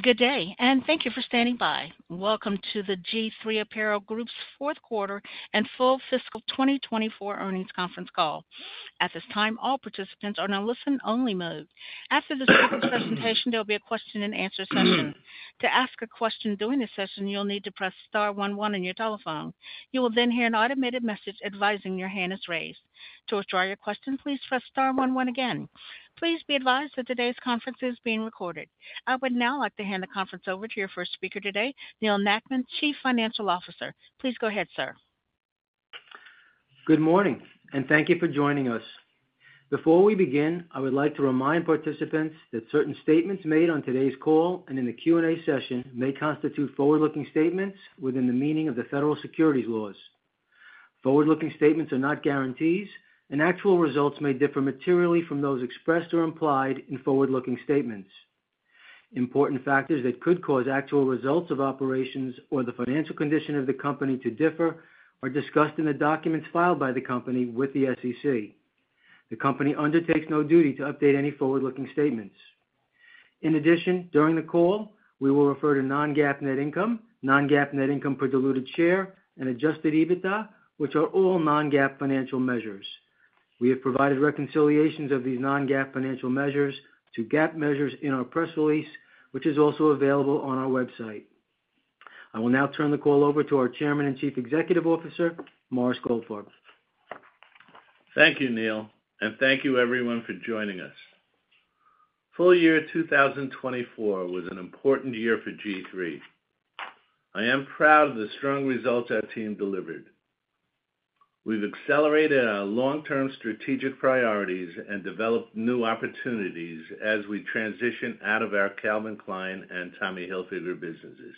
Good day, and thank you for standing by. Welcome to the G-III Apparel Group's fourth quarter and full fiscal 2024 Earnings Conference Call. At this time, all participants are in a listen-only mode. After the speaker presentation, there will be a question-and-answer session. To ask a question during this session, you'll need to press star one one on your telephone. You will then hear an automated message advising your hand is raised. To withdraw your question, please press star one one again. Please be advised that today's conference is being recorded. I would now like to hand the conference over to your first speaker today, Neal Nackman, Chief Financial Officer. Please go ahead, sir. Good morning, and thank you for joining us. Before we begin, I would like to remind participants that certain statements made on today's call and in the Q&A session may constitute forward-looking statements within the meaning of the federal securities laws. Forward-looking statements are not guarantees, and actual results may differ materially from those expressed or implied in forward-looking statements. Important factors that could cause actual results of operations or the financial condition of the company to differ are discussed in the documents filed by the company with the SEC. The company undertakes no duty to update any forward-looking statements. In addition, during the call, we will refer to non-GAAP net income, non-GAAP net income per diluted share, and Adjusted EBITDA, which are all non-GAAP financial measures. We have provided reconciliations of these non-GAAP financial measures to GAAP measures in our press release, which is also available on our website. I will now turn the call over to our Chairman and Chief Executive Officer, Morris Goldfarb. Thank you, Neal, and thank you everyone for joining us. Full year 2024 was an important year for G-III. I am proud of the strong results our team delivered. We've accelerated our long-term strategic priorities and developed new opportunities as we transition out of our Calvin Klein and Tommy Hilfiger businesses.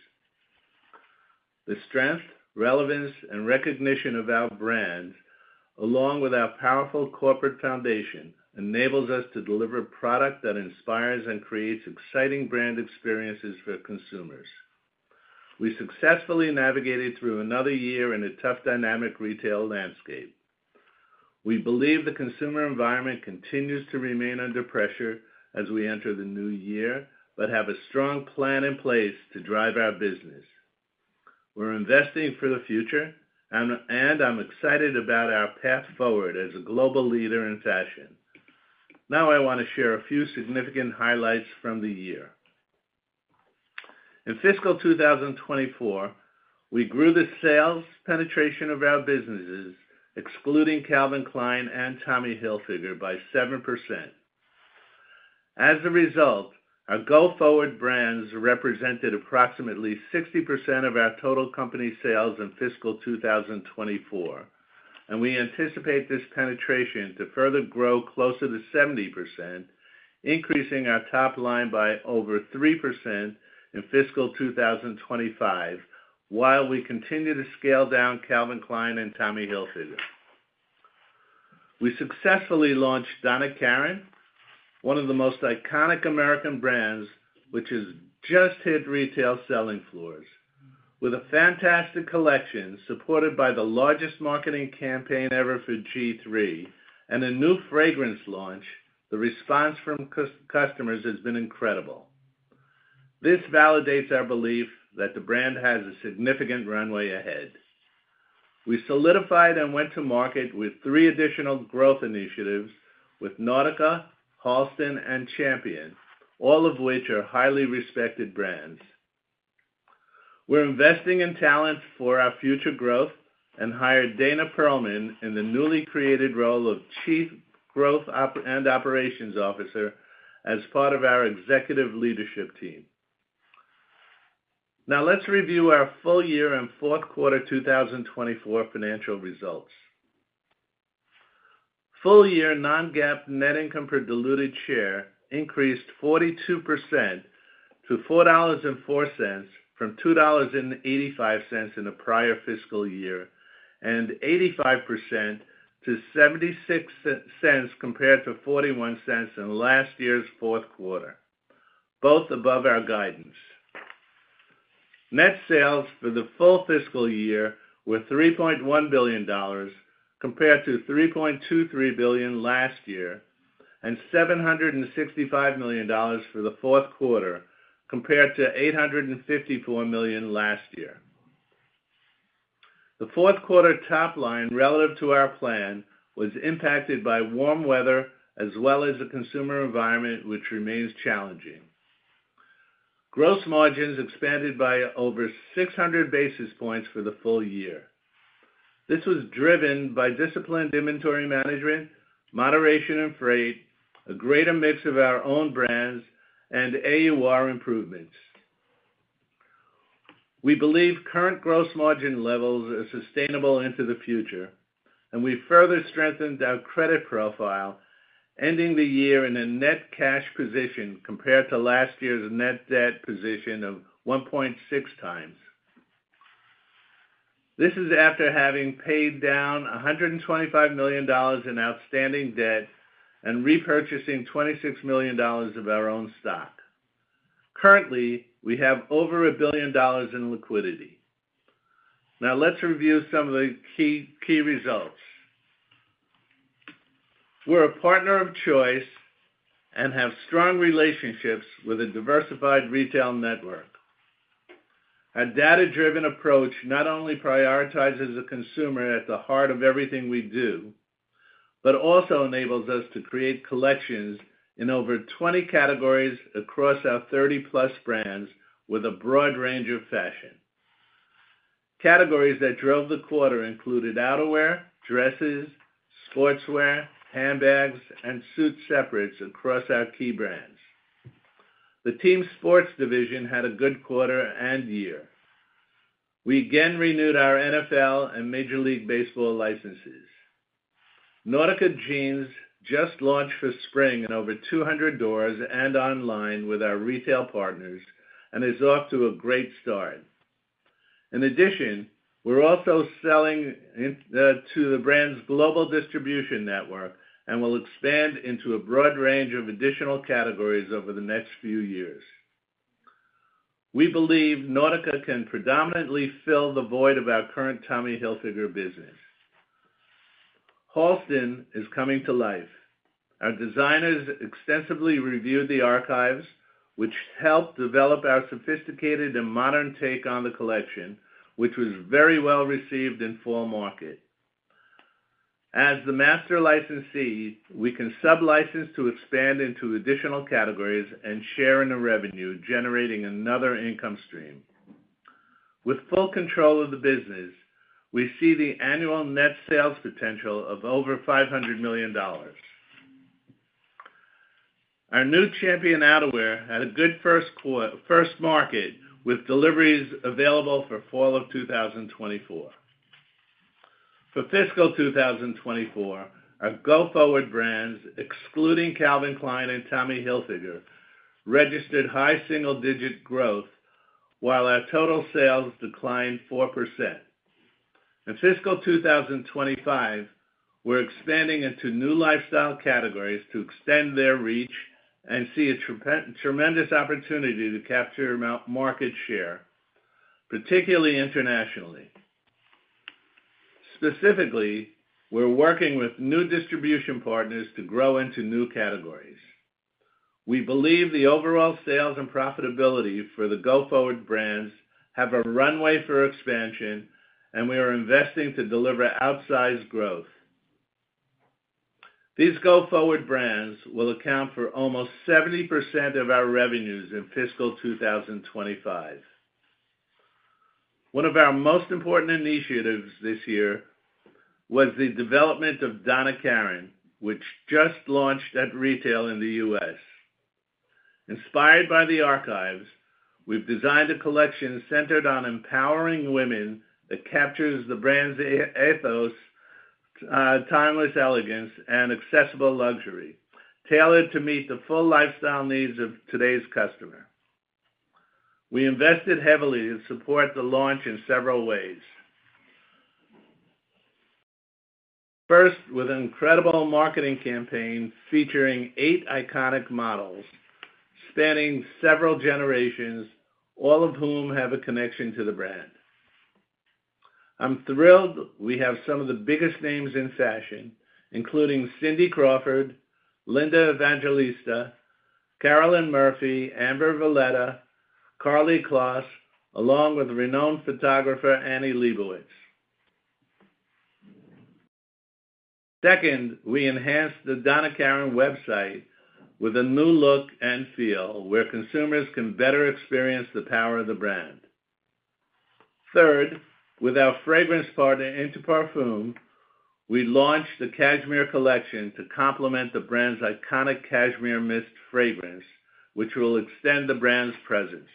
The strength, relevance, and recognition of our brands, along with our powerful corporate foundation, enables us to deliver product that inspires and creates exciting brand experiences for consumers. We successfully navigated through another year in a tough dynamic retail landscape. We believe the consumer environment continues to remain under pressure as we enter the new year, but have a strong plan in place to drive our business. We're investing for the future, and I'm excited about our path forward as a global leader in fashion. Now, I wanna share a few significant highlights from the year. In fiscal 2024, we grew the sales penetration of our businesses, excluding Calvin Klein and Tommy Hilfiger, by 7%. As a result, our go-forward brands represented approximately 60% of our total company sales in fiscal 2024, and we anticipate this penetration to further grow closer to 70%, increasing our top line by over 3% in fiscal 2025, while we continue to scale down Calvin Klein and Tommy Hilfiger. We successfully launched Donna Karan, one of the most iconic American brands, which has just hit retail selling floors. With a fantastic collection, supported by the largest marketing campaign ever for G-III and a new fragrance launch, the response from customers has been incredible. This validates our belief that the brand has a significant runway ahead. We solidified and went to market with three additional growth initiatives with Nautica, Halston, and Champion, all of which are highly respected brands. We're investing in talent for our future growth and hired Dana Perlman in the newly created role of Chief Growth and Operations Officer as part of our executive leadership team. Now, let's review our full year and fourth quarter 2024 financial results. Full year non-GAAP net income per diluted share increased 42% to $4.04 from $2.85 in the prior fiscal year, and 85% to $0.76 compared to $0.41 in last year's fourth quarter, both above our guidance. Net sales for the full fiscal year were $3.1 billion, compared to $3.23 billion last year, and $765 million for the fourth quarter, compared to $854 million last year. The fourth quarter top line relative to our plan was impacted by warm weather as well as the consumer environment, which remains challenging. Gross margins expanded by over 600 basis points for the full year. This was driven by disciplined inventory management, moderation in freight, a greater mix of our own brands, and AUR improvements. We believe current gross margin levels are sustainable into the future, and we've further strengthened our credit profile, ending the year in a net cash position compared to last year's net debt position of 1.6x. This is after having paid down $125 million in outstanding debt and repurchasing $26 million of our own stock. Currently, we have over $1 billion in liquidity. Now, let's review some of the key, key results. We're a partner of choice and have strong relationships with a diversified retail network. Our data-driven approach not only prioritizes the consumer at the heart of everything we do, but also enables us to create collections in over 20 categories across our 30+ brands with a broad range of fashion. Categories that drove the quarter included outerwear, dresses, sportswear, handbags, and suit separates across our key brands. The team sports division had a good quarter and year. We again renewed our NFL and Major League Baseball licenses. Nautica Jeans just launched for spring in over 200 doors and online with our retail partners, and is off to a great start. In addition, we're also selling in to the brand's global distribution network and will expand into a broad range of additional categories over the next few years. We believe Nautica can predominantly fill the void of our current Tommy Hilfiger business. Halston is coming to life. Our designers extensively reviewed the archives, which helped develop our sophisticated and modern take on the collection, which was very well-received in fall market. As the master licensee, we can sublicense to expand into additional categories and share in the revenue, generating another income stream. With full control of the business, we see the annual net sales potential of over $500 million. Our new Champion outerwear had a good first market, with deliveries available for fall of 2024. For fiscal 2024, our go-forward brands, excluding Calvin Klein and Tommy Hilfiger, registered high single-digit growth, while our total sales declined 4%. In fiscal 2025, we're expanding into new lifestyle categories to extend their reach and see a tremendous opportunity to capture market share, particularly internationally. Specifically, we're working with new distribution partners to grow into new categories. We believe the overall sales and profitability for the go-forward brands have a runway for expansion, and we are investing to deliver outsized growth. These go-forward brands will account for almost 70% of our revenues in fiscal 2025. One of our most important initiatives this year was the development of Donna Karan, which just launched at retail in the U.S. Inspired by the archives, we've designed a collection centered on empowering women that captures the brand's ethos, timeless elegance, and accessible luxury, tailored to meet the full lifestyle needs of today's customer. We invested heavily to support the launch in several ways. First, with an incredible marketing campaign featuring eight iconic models, spanning several generations, all of whom have a connection to the brand. I'm thrilled we have some of the biggest names in fashion, including Cindy Crawford, Linda Evangelista, Carolyn Murphy, Amber Valletta, Karlie Kloss, along with renowned photographer Annie Leibovitz. Second, we enhanced the Donna Karan website with a new look and feel, where consumers can better experience the power of the brand. Third, with our fragrance partner, Interparfums, we launched the Cashmere Collection to complement the brand's iconic Cashmere Mist fragrance, which will extend the brand's presence.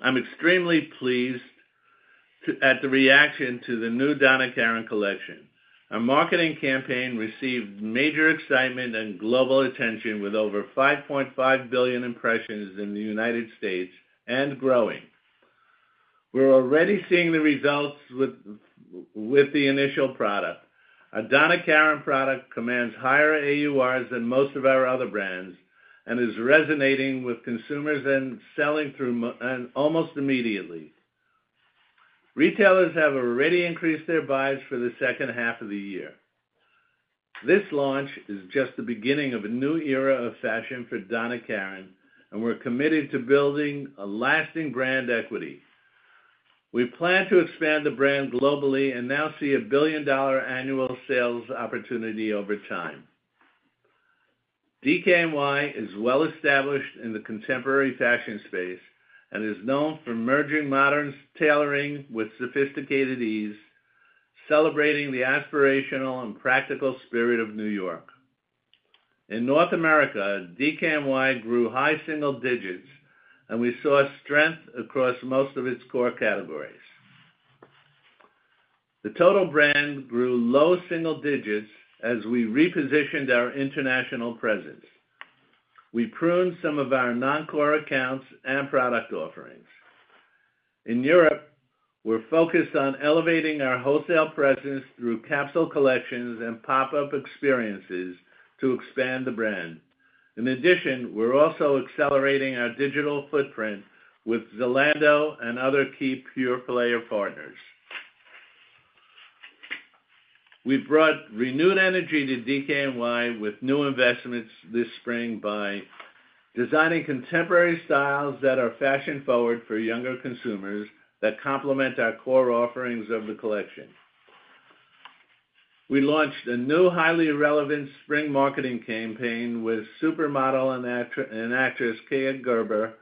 I'm extremely pleased at the reaction to the new Donna Karan collection. Our marketing campaign received major excitement and global attention with over 5.5 billion impressions in the United States, and growing. We're already seeing the results with the initial product. Our Donna Karan product commands higher AURs than most of our other brands and is resonating with consumers and selling through almost immediately. Retailers have already increased their buys for the second half of the year. This launch is just the beginning of a new era of fashion for Donna Karan, and we're committed to building a lasting brand equity. We plan to expand the brand globally and now see a billion-dollar annual sales opportunity over time. DKNY is well-established in the contemporary fashion space and is known for merging modern tailoring with sophisticated ease, celebrating the aspirational and practical spirit of New York. In North America, DKNY grew high single digits, and we saw strength across most of its core categories. The total brand grew low single digits as we repositioned our international presence. We pruned some of our non-core accounts and product offerings. In Europe, we're focused on elevating our wholesale presence through capsule collections and pop-up experiences to expand the brand. In addition, we're also accelerating our digital footprint with Zalando and other key pure-play partners. We've brought renewed energy to DKNY with new investments this spring by designing contemporary styles that are fashion-forward for younger consumers, that complement our core offerings of the collection. We launched a new, highly relevant spring marketing campaign with supermodel and actress, Kaia Gerber,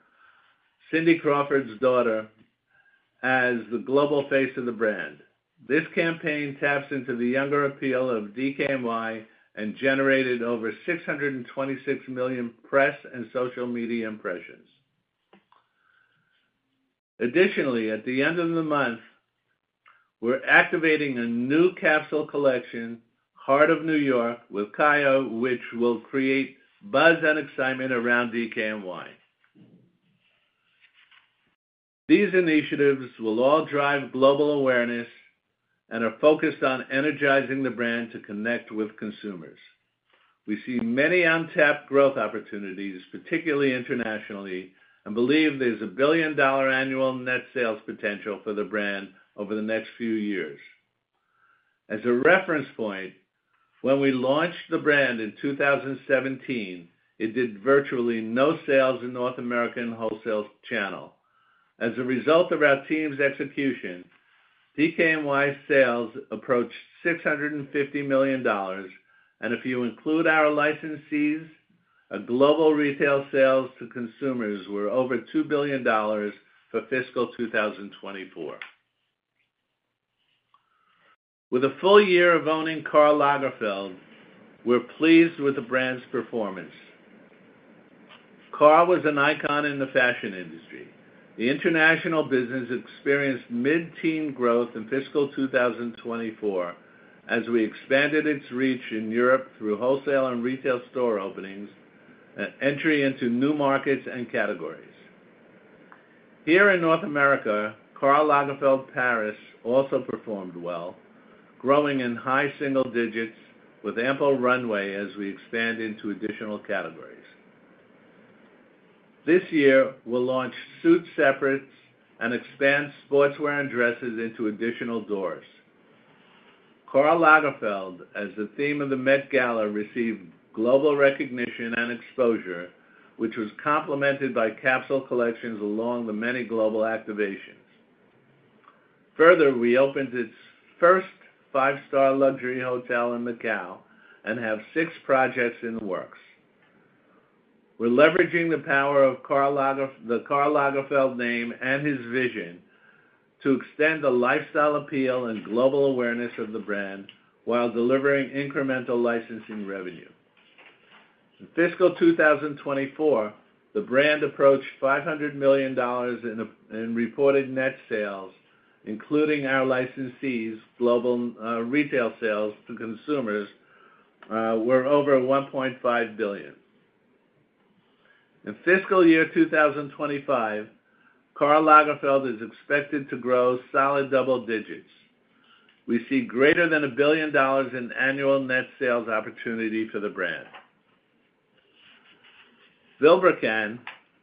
Cindy Crawford's daughter, as the global face of the brand. This campaign taps into the younger appeal of DKNY and generated over 626 million press and social media impressions. Additionally, at the end of the month, we're activating a new capsule collection, Heart of New York, with Kaia, which will create buzz and excitement around DKNY. These initiatives will all drive global awareness and are focused on energizing the brand to connect with consumers. We see many untapped growth opportunities, particularly internationally, and believe there's a billion-dollar annual net sales potential for the brand over the next few years. As a reference point, when we launched the brand in 2017, it did virtually no sales in North American wholesale channel. As a result of our team's execution, DKNY's sales approached $650 million, and if you include our licensees, our global retail sales to consumers were over $2 billion for fiscal 2024. With a full year of owning Karl Lagerfeld, we're pleased with the brand's performance. Karl was an icon in the fashion industry. The international business experienced mid-teen growth in fiscal 2024, as we expanded its reach in Europe through wholesale and retail store openings, and entry into new markets and categories. Here in North America, Karl Lagerfeld Paris also performed well, growing in high single digits with ample runway as we expand into additional categories. This year, we'll launch suit separates and expand sportswear and dresses into additional doors. Karl Lagerfeld, as the theme of the Met Gala, received global recognition and exposure, which was complemented by capsule collections along with many global activations. Further, we opened its first five-star luxury hotel in Macau and have six projects in the works. We're leveraging the power of the Karl Lagerfeld name and his vision to extend the lifestyle appeal and global awareness of the brand, while delivering incremental licensing revenue. In fiscal 2024, the brand approached $500 million in reported net sales, including our licensees' global retail sales to consumers were over $1.5 billion. In fiscal year 2025, Karl Lagerfeld is expected to grow solid double digits. We see greater than $1 billion in annual net sales opportunity for the brand. Vilebrequin,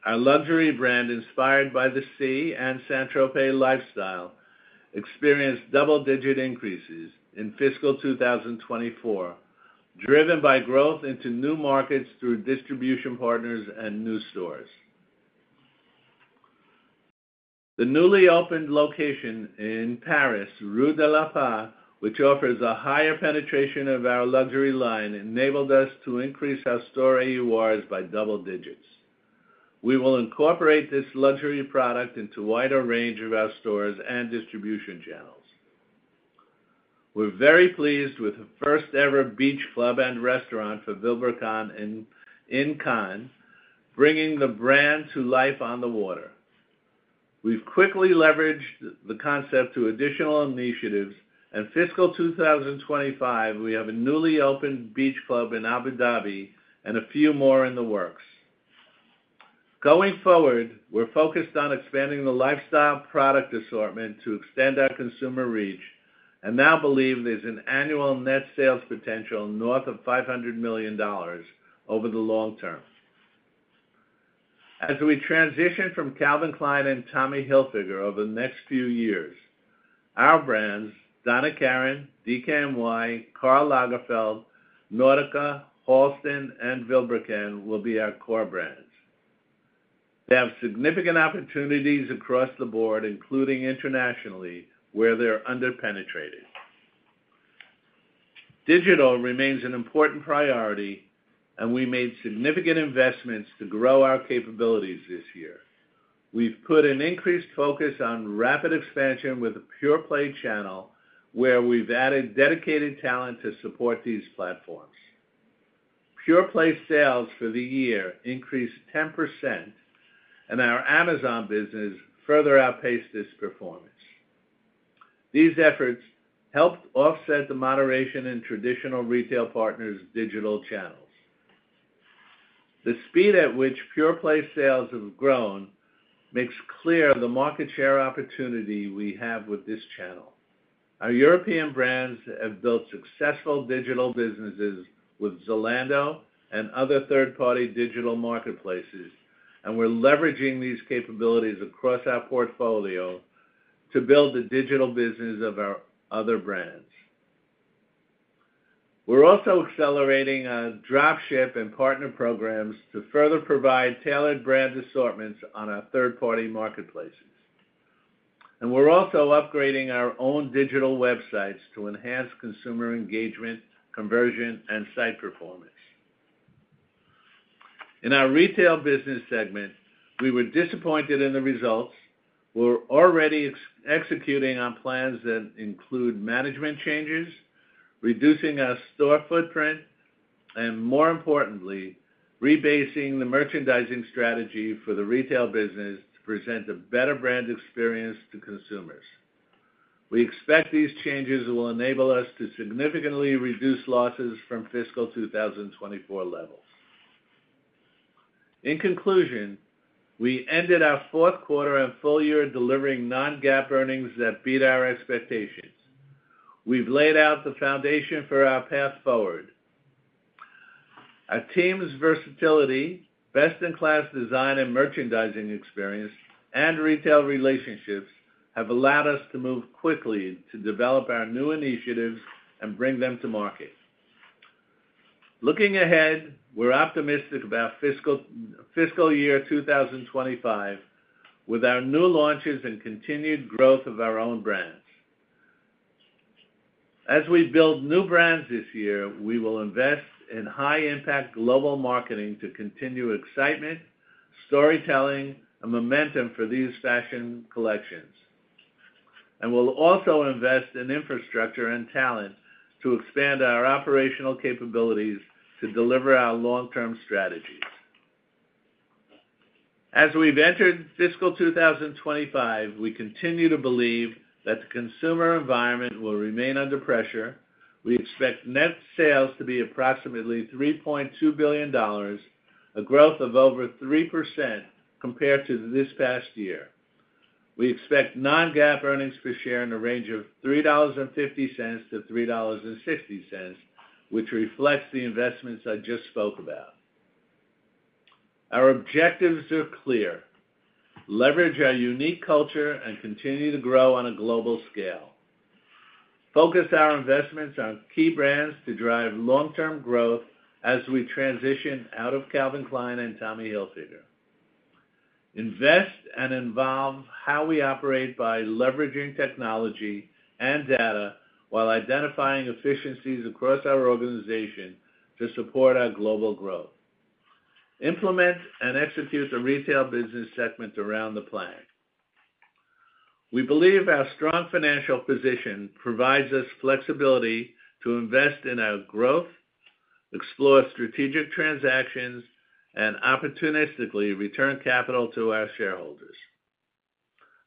our luxury brand, inspired by the sea and Saint-Tropez lifestyle, experienced double-digit increases in fiscal 2024, driven by growth into new markets through distribution partners and new stores. The newly opened location in Paris, Rue de la Paix, which offers a higher penetration of our luxury line, enabled us to increase our store AURs by double digits. We will incorporate this luxury product into wider range of our stores and distribution channels. We're very pleased with the first-ever beach club and restaurant for Vilebrequin in Cannes, bringing the brand to life on the water. We've quickly leveraged the concept to additional initiatives. In fiscal 2025, we have a newly opened beach club in Abu Dhabi and a few more in the works. Going forward, we're focused on expanding the lifestyle product assortment to extend our consumer reach and now believe there's an annual net sales potential north of $500 million over the long term. As we transition from Calvin Klein and Tommy Hilfiger over the next few years, our brands, Donna Karan, DKNY, Karl Lagerfeld, Nautica, Halston, and Vilebrequin, will be our core brands. They have significant opportunities across the board, including internationally, where they're under-penetrated. Digital remains an important priority, and we made significant investments to grow our capabilities this year. We've put an increased focus on rapid expansion with the pure-play channel, where we've added dedicated talent to support these platforms. Pure-play sales for the year increased 10%, and our Amazon business further outpaced this performance. These efforts helped offset the moderation in traditional retail partners' digital channels. The speed at which pure-play sales have grown makes clear the market share opportunity we have with this channel. Our European brands have built successful digital businesses with Zalando and other third-party digital marketplaces, and we're leveraging these capabilities across our portfolio to build the digital business of our other brands. We're also accelerating our drop ship and partner programs to further provide tailored brand assortments on our third-party marketplaces. And we're also upgrading our own digital websites to enhance consumer engagement, conversion, and site performance. In our retail business segment, we were disappointed in the results. We're already executing on plans that include management changes, reducing our store footprint, and more importantly, rebasing the merchandising strategy for the retail business to present a better brand experience to consumers. We expect these changes will enable us to significantly reduce losses from fiscal 2024 levels. In conclusion, we ended our fourth quarter and full year delivering non-GAAP earnings that beat our expectations. We've laid out the foundation for our path forward. Our team's versatility, best-in-class design and merchandising experience, and retail relationships have allowed us to move quickly to develop our new initiatives and bring them to market. Looking ahead, we're optimistic about fiscal year 2025, with our new launches and continued growth of our own brands. As we build new brands this year, we will invest in high-impact global marketing to continue excitement, storytelling, and momentum for these fashion collections. We'll also invest in infrastructure and talent to expand our operational capabilities to deliver our long-term strategies. As we've entered fiscal 2025, we continue to believe that the consumer environment will remain under pressure. We expect net sales to be approximately $3.2 billion, a growth of over 3% compared to this past year. We expect non-GAAP earnings per share in a range of $3.50-$3.60, which reflects the investments I just spoke about. Our objectives are clear: leverage our unique culture and continue to grow on a global scale. Focus our investments on key brands to drive long-term growth as we transition out of Calvin Klein and Tommy Hilfiger. Invest and involve how we operate by leveraging technology and data, while identifying efficiencies across our organization to support our global growth. Implement and execute a retail business segment around the plan. We believe our strong financial position provides us flexibility to invest in our growth, explore strategic transactions, and opportunistically return capital to our shareholders.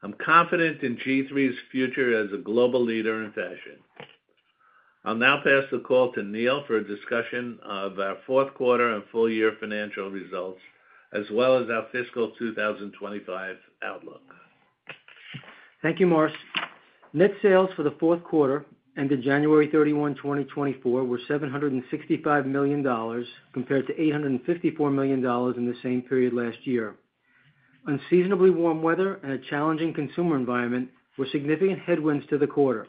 I'm confident in G-III's future as a global leader in fashion. I'll now pass the call to Neal for a discussion of our fourth quarter and full year financial results, as well as our fiscal 2025 outlook. Thank you, Morris. Net sales for the fourth quarter, ended January 31, 2024, were $765 million, compared to $854 million in the same period last year. Unseasonably warm weather and a challenging consumer environment were significant headwinds to the quarter.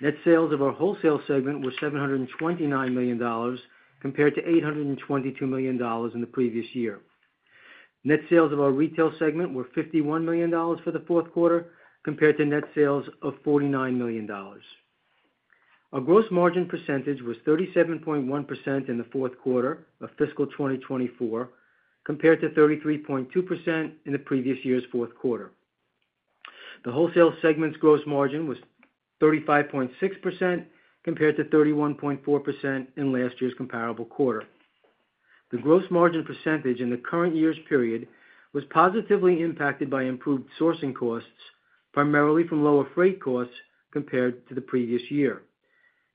Net sales of our wholesale segment were $729 million, compared to $822 million in the previous year. Net sales of our retail segment were $51 million for the fourth quarter, compared to net sales of $49 million. Our gross margin percentage was 37.1% in the fourth quarter of fiscal 2024, compared to 33.2% in the previous year's fourth quarter. The wholesale segment's gross margin was 35.6%, compared to 31.4% in last year's comparable quarter. The gross margin percentage in the current year's period was positively impacted by improved sourcing costs, primarily from lower freight costs compared to the previous year.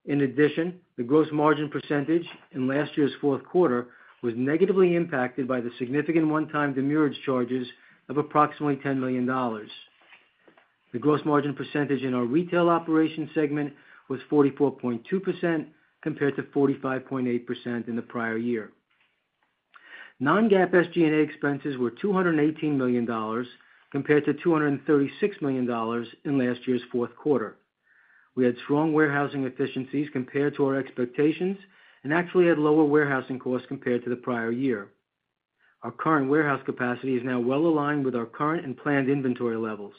In addition, the gross margin percentage in last year's fourth quarter was negatively impacted by the significant one-time demurrage charges of approximately $10 million. The gross margin percentage in our retail operation segment was 44.2%, compared to 45.8% in the prior year. Non-GAAP SG&A expenses were $218 million, compared to $236 million in last year's fourth quarter. We had strong warehousing efficiencies compared to our expectations and actually had lower warehousing costs compared to the prior year. Our current warehouse capacity is now well aligned with our current and planned inventory levels.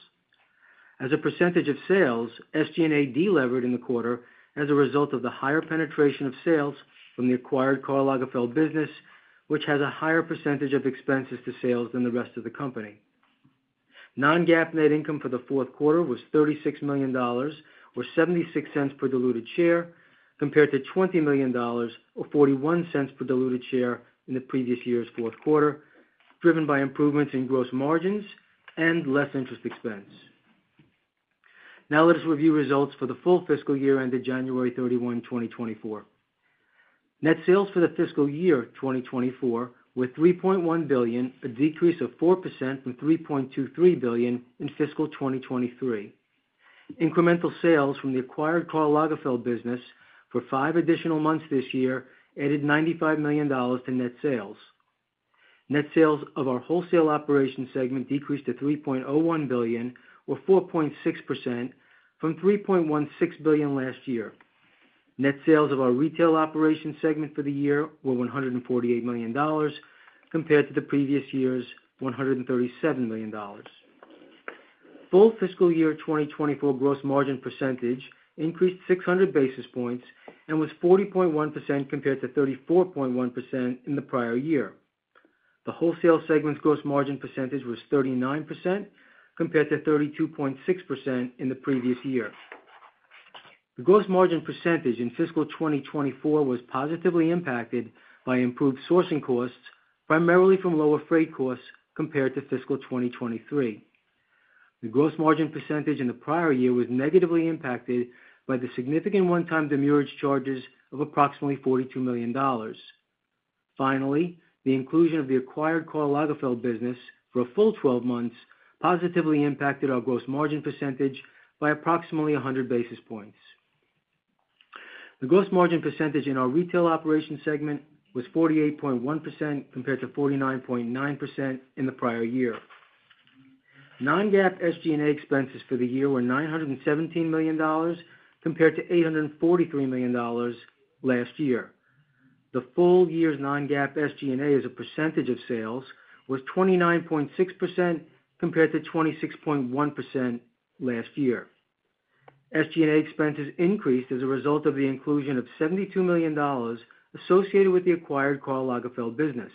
As a percentage of sales, SG&A delevered in the quarter as a result of the higher penetration of sales from the acquired Karl Lagerfeld business, which has a higher percentage of expenses to sales than the rest of the company. Non-GAAP net income for the fourth quarter was $36 million, or $0.76 per diluted share, compared to $20 million or $0.41 per diluted share in the previous year's fourth quarter, driven by improvements in gross margins and less interest expense. Now, let us review results for the full fiscal year ended January 31, 2024. Net sales for the fiscal year 2024 were $3.1 billion, a decrease of 4% from $3.23 billion in fiscal 2023. Incremental sales from the acquired Karl Lagerfeld business for five additional months this year added $95 million to net sales. Net sales of our wholesale operation segment decreased to $3.01 billion, or 4.6% from $3.16 billion last year. Net sales of our retail operation segment for the year were $148 million, compared to the previous year's $137 million. Full fiscal year 2024 gross margin percentage increased 600 basis points and was 40.1%, compared to 34.1% in the prior year. The wholesale segment's gross margin percentage was 39%, compared to 32.6% in the previous year. The gross margin percentage in fiscal 2024 was positively impacted by improved sourcing costs, primarily from lower freight costs compared to fiscal 2023. The gross margin percentage in the prior year was negatively impacted by the significant one-time demurrage charges of approximately $42 million. Finally, the inclusion of the acquired Karl Lagerfeld business for a full 12 months positively impacted our gross margin percentage by approximately 100 basis points. The gross margin percentage in our retail operations segment was 48.1%, compared to 49.9% in the prior year. Non-GAAP SG&A expenses for the year were $917 million, compared to $843 million last year. The full year's non-GAAP SG&A as a percentage of sales was 29.6%, compared to 26.1% last year. SG&A expenses increased as a result of the inclusion of $72 million associated with the acquired Karl Lagerfeld business.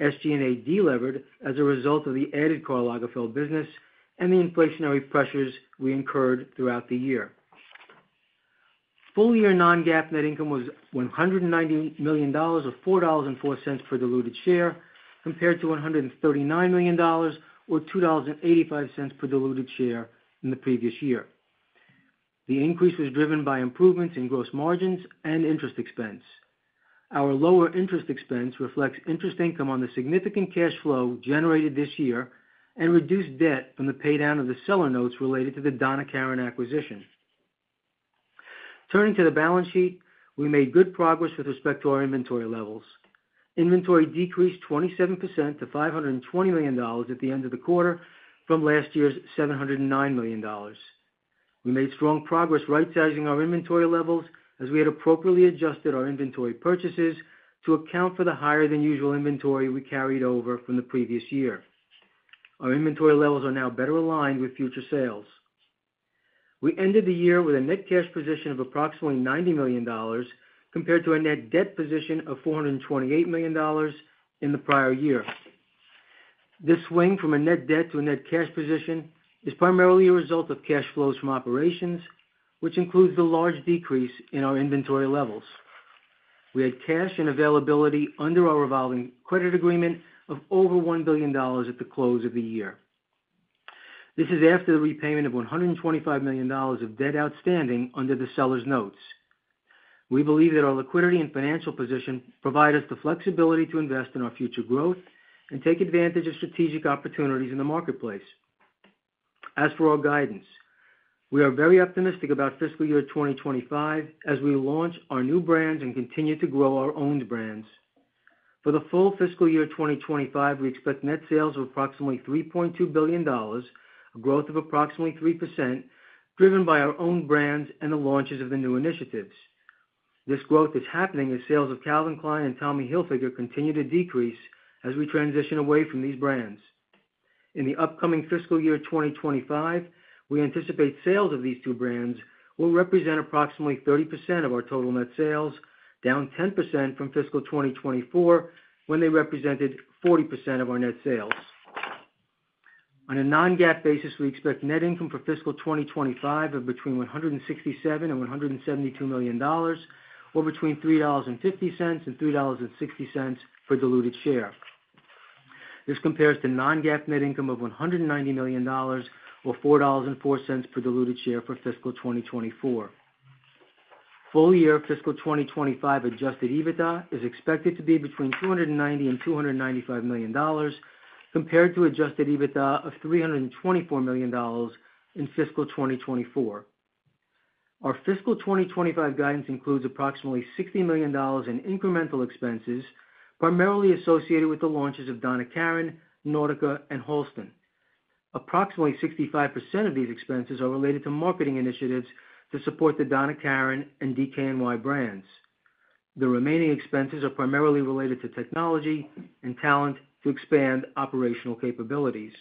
SG&A delevered as a result of the added Karl Lagerfeld business and the inflationary pressures we incurred throughout the year. Full-year non-GAAP net income was $190 million, or $4.04 per diluted share, compared to $139 million, or $2.85 per diluted share in the previous year. The increase was driven by improvements in gross margins and interest expense. Our lower interest expense reflects interest income on the significant cash flow generated this year and reduced debt from the paydown of the seller notes related to the Donna Karan acquisition. Turning to the balance sheet, we made good progress with respect to our inventory levels. Inventory decreased 27% to $520 million at the end of the quarter from last year's $709 million. We made strong progress right-sizing our inventory levels as we had appropriately adjusted our inventory purchases to account for the higher than usual inventory we carried over from the previous year. Our inventory levels are now better aligned with future sales. We ended the year with a net cash position of approximately $90 million, compared to a net debt position of $428 million in the prior year. This swing from a net debt to a net cash position is primarily a result of cash flows from operations, which includes the large decrease in our inventory levels. We had cash and availability under our revolving credit agreement of over $1 billion at the close of the year. This is after the repayment of $125 million of debt outstanding under the seller's notes. We believe that our liquidity and financial position provide us the flexibility to invest in our future growth and take advantage of strategic opportunities in the marketplace. As for our guidance, we are very optimistic about fiscal year 2025 as we launch our new brands and continue to grow our owned brands. For the full fiscal year 2025, we expect net sales of approximately $3.2 billion, a growth of approximately 3%, driven by our own brands and the launches of the new initiatives. This growth is happening as sales of Calvin Klein and Tommy Hilfiger continue to decrease as we transition away from these brands. In the upcoming fiscal year 2025, we anticipate sales of these two brands will represent approximately 30% of our total net sales, down 10% from fiscal 2024, when they represented 40% of our net sales. On a non-GAAP basis, we expect net income for fiscal 2025 of between $167 million and $172 million, or between $3.50 and $3.60 per diluted share. This compares to non-GAAP net income of $190 million, or $4.04 per diluted share for fiscal 2024. Full-year fiscal 2025 Adjusted EBITDA is expected to be between $290 million and $295 million, compared to Adjusted EBITDA of $324 million in fiscal 2024. Our fiscal 2025 guidance includes approximately $60 million in incremental expenses, primarily associated with the launches of Donna Karan, Nautica, and Halston. Approximately 65% of these expenses are related to marketing initiatives to support the Donna Karan and DKNY brands. The remaining expenses are primarily related to technology and talent to expand operational capabilities.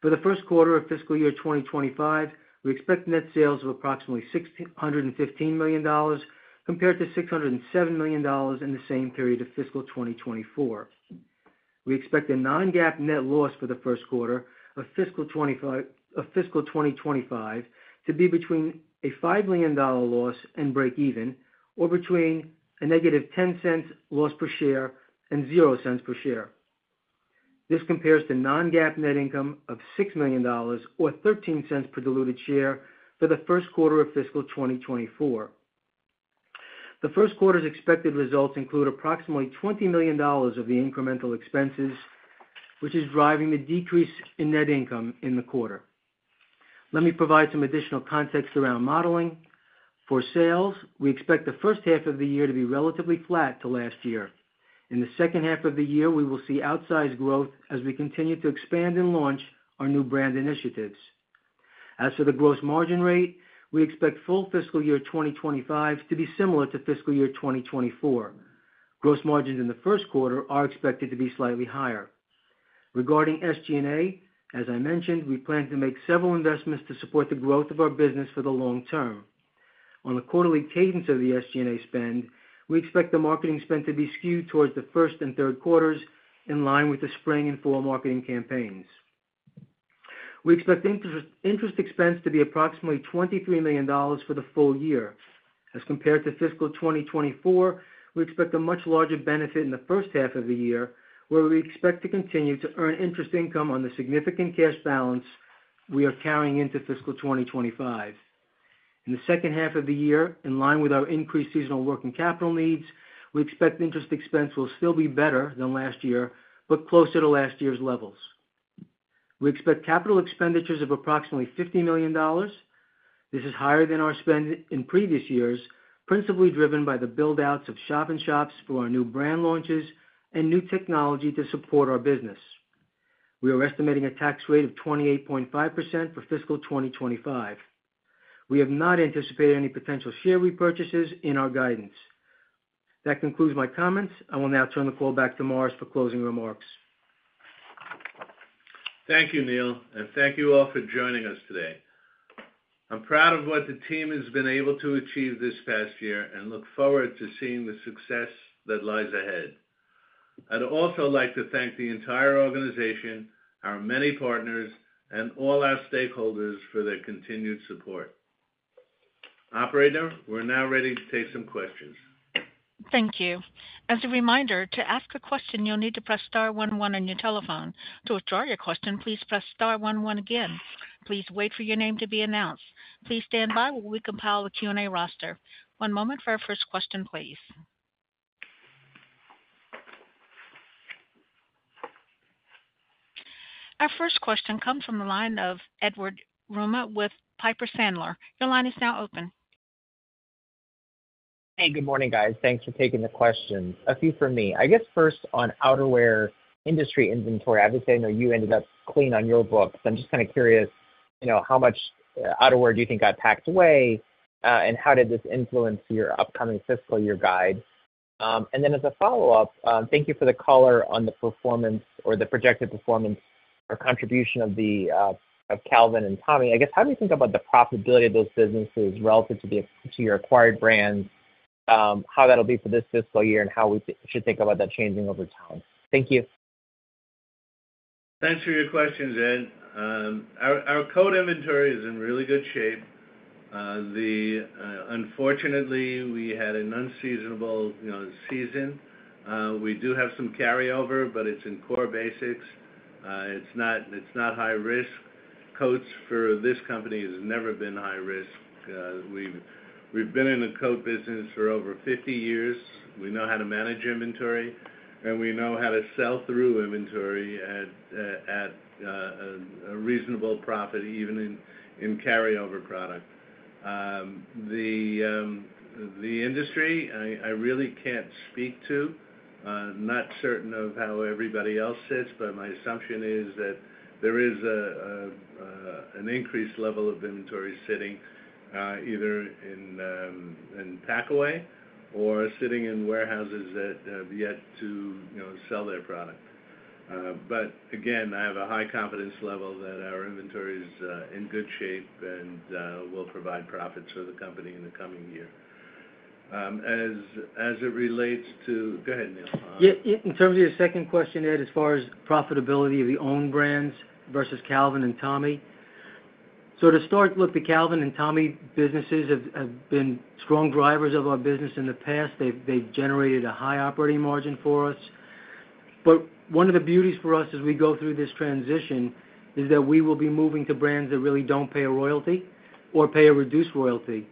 For the first quarter of fiscal year 2025, we expect net sales of approximately $615 million, compared to $607 million in the same period of fiscal 2024. We expect a non-GAAP net loss for the first quarter of fiscal 2025 to be between a $5 million loss and breakeven, or between a -$0.10 loss per share and $0.00 per share. This compares to non-GAAP net income of $6 million or $0.13 per diluted share for the first quarter of fiscal 2024. The first quarter's expected results include approximately $20 million of the incremental expenses, which is driving the decrease in net income in the quarter. Let me provide some additional context around modeling. For sales, we expect the first half of the year to be relatively flat to last year. In the second half of the year, we will see outsized growth as we continue to expand and launch our new brand initiatives. As for the gross margin rate, we expect full fiscal year 2025 to be similar to fiscal year 2024. Gross margins in the first quarter are expected to be slightly higher. Regarding SG&A, as I mentioned, we plan to make several investments to support the growth of our business for the long term. On the quarterly cadence of the SG&A spend, we expect the marketing spend to be skewed towards the first and third quarters, in line with the spring and fall marketing campaigns. We expect interest, interest expense to be approximately $23 million for the full year. As compared to fiscal 2024, we expect a much larger benefit in the first half of the year, where we expect to continue to earn interest income on the significant cash balance we are carrying into fiscal 2025. In the second half of the year, in line with our increased seasonal working capital needs, we expect interest expense will still be better than last year, but closer to last year's levels. We expect capital expenditures of approximately $50 million. This is higher than our spend in previous years, principally driven by the build-outs of shop-in-shops for our new brand launches and new technology to support our business. We are estimating a tax rate of 28.5% for fiscal 2025. We have not anticipated any potential share repurchases in our guidance. That concludes my comments. I will now turn the call back to Morris for closing remarks. Thank you, Neal, and thank you all for joining us today. I'm proud of what the team has been able to achieve this past year and look forward to seeing the success that lies ahead. I'd also like to thank the entire organization, our many partners, and all our stakeholders for their continued support. Operator, we're now ready to take some questions. Thank you. As a reminder, to ask a question, you'll need to press star one one on your telephone. To withdraw your question, please press star one one again. Please wait for your name to be announced. Please stand by while we compile the Q&A roster. One moment for our first question, please. Our first question comes from the line of Edward Yruma with Piper Sandler. Your line is now open. Hey, good morning, guys. Thanks for taking the questions. A few from me. I guess first on outerwear industry inventory, obviously, I know you ended up clean on your books. I'm just kind of curious, you know, how much outerwear do you think got packed away, and how did this influence your upcoming fiscal year guide? And then as a follow-up, thank you for the color on the performance or the projected performance or contribution of Calvin and Tommy. I guess, how do you think about the profitability of those businesses relative to your acquired brands, how that'll be for this fiscal year and how we should think about that changing over time? Thank you. Thanks for your questions, Ed. Our coat inventory is in really good shape. Unfortunately, we had an unseasonable, you know, season. We do have some carryover, but it's in core basics. It's not high risk. Coats for this company has never been high risk. We've been in the coat business for over 50 years. We know how to manage inventory, and we know how to sell through inventory at a reasonable profit, even in carryover product. The industry I really can't speak to. I'm not certain of how everybody else sits, but my assumption is that there is an increased level of inventory sitting either in pack away or sitting in warehouses that have yet to, you know, sell their product. But again, I have a high confidence level that our inventory is in good shape and will provide profits for the company in the coming year. As it relates to. Go ahead, Neil. Yeah, in terms of your second question, Ed, as far as profitability of the own brands versus Calvin and Tommy. So to start, look, the Calvin and Tommy businesses have been strong drivers of our business in the past. They've generated a high operating margin for us. But one of the beauties for us as we go through this transition is that we will be moving to brands that really don't pay a royalty or pay a reduced royalty,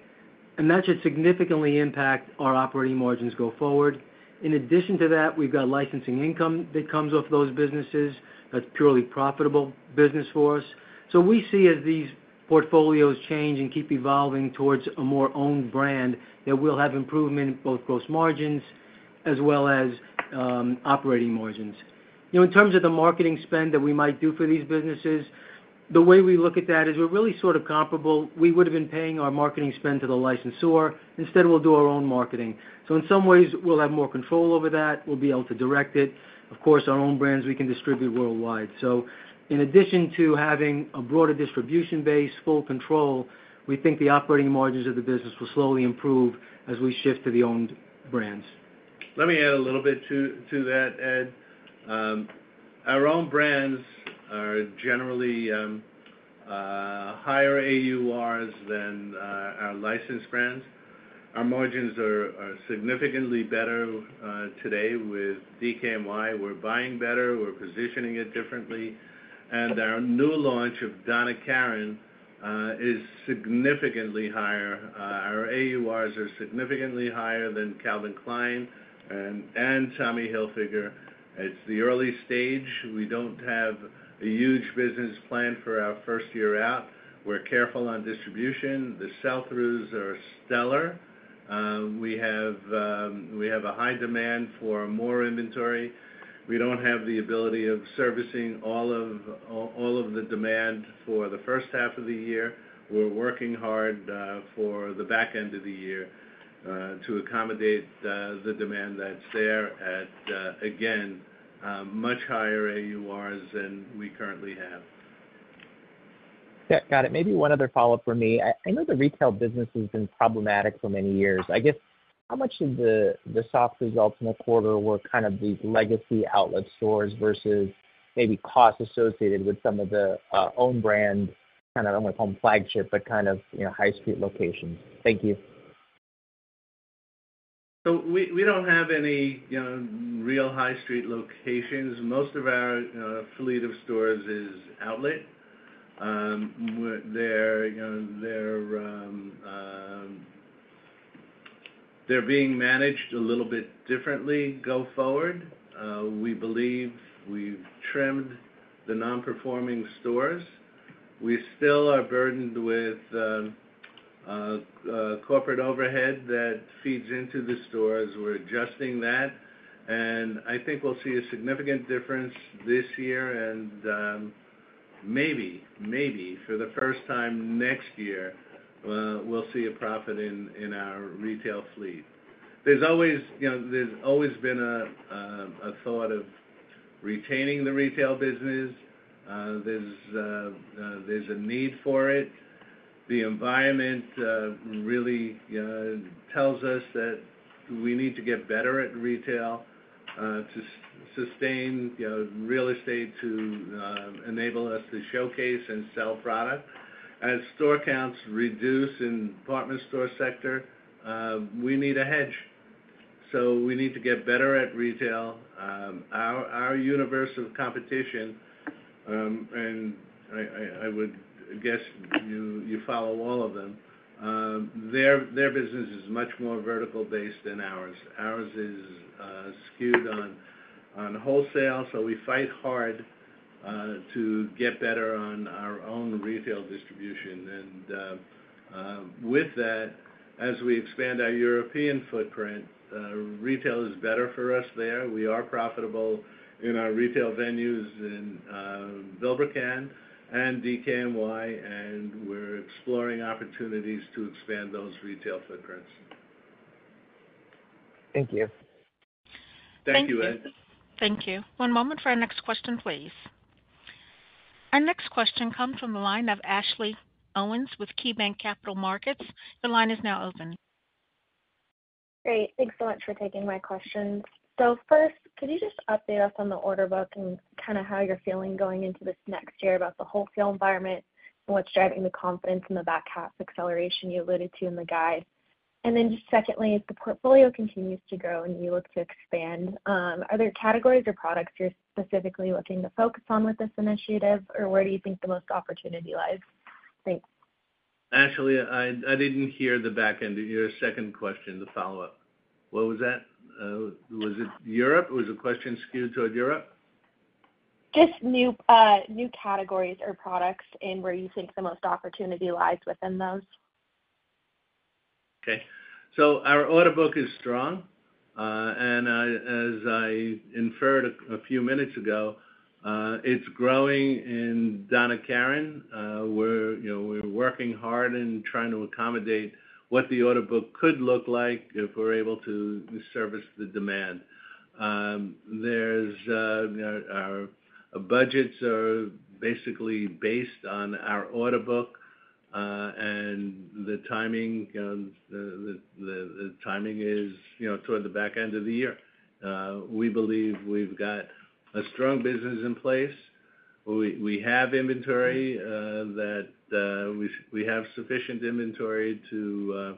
and that should significantly impact our operating margins go forward. In addition to that, we've got licensing income that comes off those businesses. That's purely profitable business for us. So we see as these portfolios change and keep evolving towards a more owned brand, that we'll have improvement in both gross margins as well as operating margins. You know, in terms of the marketing spend that we might do for these businesses, the way we look at that is we're really sort of comparable. We would have been paying our marketing spend to the licensor. Instead, we'll do our own marketing. So in some ways, we'll have more control over that. We'll be able to direct it. Of course, our own brands, we can distribute worldwide. So in addition to having a broader distribution base, full control, we think the operating margins of the business will slowly improve as we shift to the owned brands. Let me add a little bit to that, Ed. Our own brands are generally higher AURs than our licensed brands. Our margins are significantly better today with DKNY. We're buying better, we're positioning it differently, and our new launch of Donna Karan is significantly higher. Our AURs are significantly higher than Calvin Klein and Tommy Hilfiger. It's the early stage. We don't have a huge business plan for our first year out. We're careful on distribution. The sell-throughs are stellar. We have a high demand for more inventory. We don't have the ability of servicing all of the demand for the first half of the year. We're working hard for the back end of the year to accommodate the demand that's there at again much higher AURs than we currently have. Yeah, got it. Maybe one other follow-up for me. I, I know the retail business has been problematic for many years. I guess, how much of the soft results in the quarter were kind of the legacy outlet stores versus maybe costs associated with some of the own brand, kind of, I don't wanna call them flagship, but kind of, you know, high street locations? Thank you. So we don't have any, you know, real high street locations. Most of our fleet of stores is outlet. They're, you know, being managed a little bit differently go forward. We believe we've trimmed the non-performing stores. We still are burdened with corporate overhead that feeds into the stores. We're adjusting that, and I think we'll see a significant difference this year and maybe for the first time next year, we'll see a profit in our retail fleet. There's always, you know, there's always been a thought of retaining the retail business. There's a need for it. The environment really tells us that we need to get better at retail to sustain, you know, real estate, to enable us to showcase and sell product. As store counts reduce in department store sector, we need a hedge. So we need to get better at retail. Our universe of competition, and I would guess you follow all of them, their business is much more vertical based than ours. Ours is skewed on wholesale, so we fight hard to get better on our own retail distribution. And with that, as we expand our European footprint, retail is better for us there. We are profitable in our retail venues in Vilebrequin and DKNY, and we're exploring opportunities to expand those retail footprints. Thank you. Thank you, Ed. Thank you. One moment for our next question, please. Our next question comes from the line of Ashley Owens with KeyBanc Capital Markets. The line is now open. Great. Thanks so much for taking my questions. So first, could you just update us on the order book and kind of how you're feeling going into this next year about the wholesale environment and what's driving the confidence in the back half acceleration you alluded to in the guide? And then just secondly, as the portfolio continues to grow and you look to expand, are there categories or products you're specifically looking to focus on with this initiative, or where do you think the most opportunity lies? Thanks. Ashley, I didn't hear the back end of your second question, the follow-up. What was that? Was it Europe? Was the question skewed toward Europe? Just new, new categories or products and where you think the most opportunity lies within those? Okay. So our order book is strong. And as I inferred a few minutes ago, it's growing in Donna Karan. You know, we're working hard and trying to accommodate what the order book could look like if we're able to service the demand. Our budgets are basically based on our order book, and the timing is, you know, toward the back end of the year. We believe we've got a strong business in place. We have inventory that we have sufficient inventory to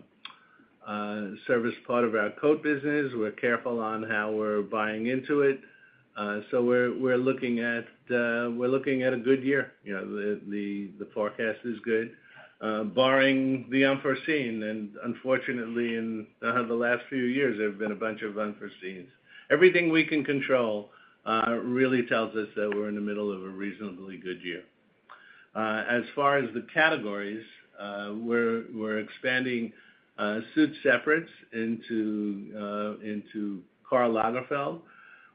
service part of our coat business. We're careful on how we're buying into it. So we're looking at a good year. You know, the forecast is good, barring the unforeseen, and unfortunately, the last few years, there have been a bunch of unforeseens. Everything we can control really tells us that we're in the middle of a reasonably good year. As far as the categories, we're expanding suit separates into Karl Lagerfeld,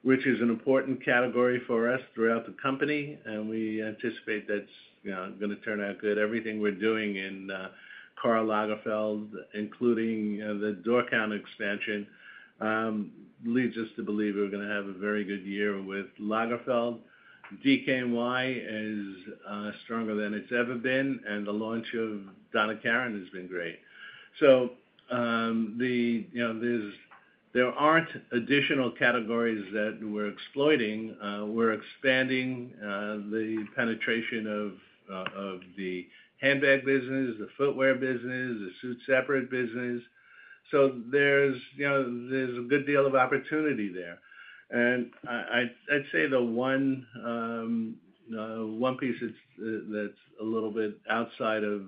which is an important category for us throughout the company, and we anticipate that's, you know, gonna turn out good. Everything we're doing in Karl Lagerfeld, including the door count expansion, leads us to believe we're gonna have a very good year with Lagerfeld. DKNY is stronger than it's ever been, and the launch of Donna Karan has been great. So, you know, there aren't additional categories that we're exploiting, we're expanding the penetration of, of the handbag business, the footwear business, the suit separate business. So there's, you know, there's a good deal of opportunity there. And I, I'd, I'd say the one, one piece that's, that's a little bit outside of,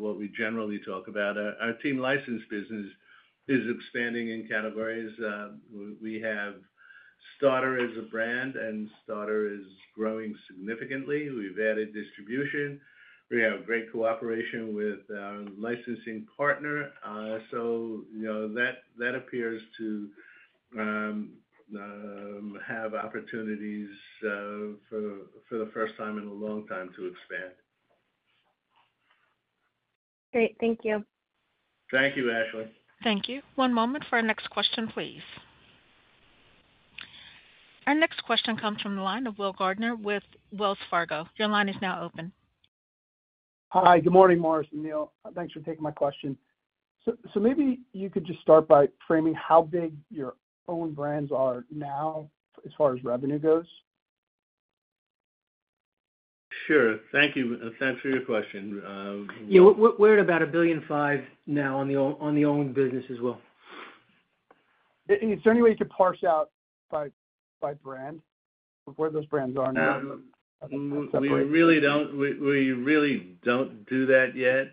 what we generally talk about, our, our team license business is expanding in categories. We, we have Starter as a brand, and Starter is growing significantly. We've added distribution. We have great cooperation with our licensing partner. So you know, that, that appears to, have opportunities, for, for the first time in a long time to expand. Great. Thank you. Thank you, Ashley. Thank you. One moment for our next question, please. Our next question comes from the line of Will Gaertner with Wells Fargo. Your line is now open. Hi, good morning, Morris and Neal. Thanks for taking my question. So, maybe you could just start by framing how big your own brands are now, as far as revenue goes. Sure. Thank you. Thanks for your question. Yeah, we're at about $1.5 billion now on the owned business as well. Is there any way to parse out by brand, where those brands are now? We really don't do that yet.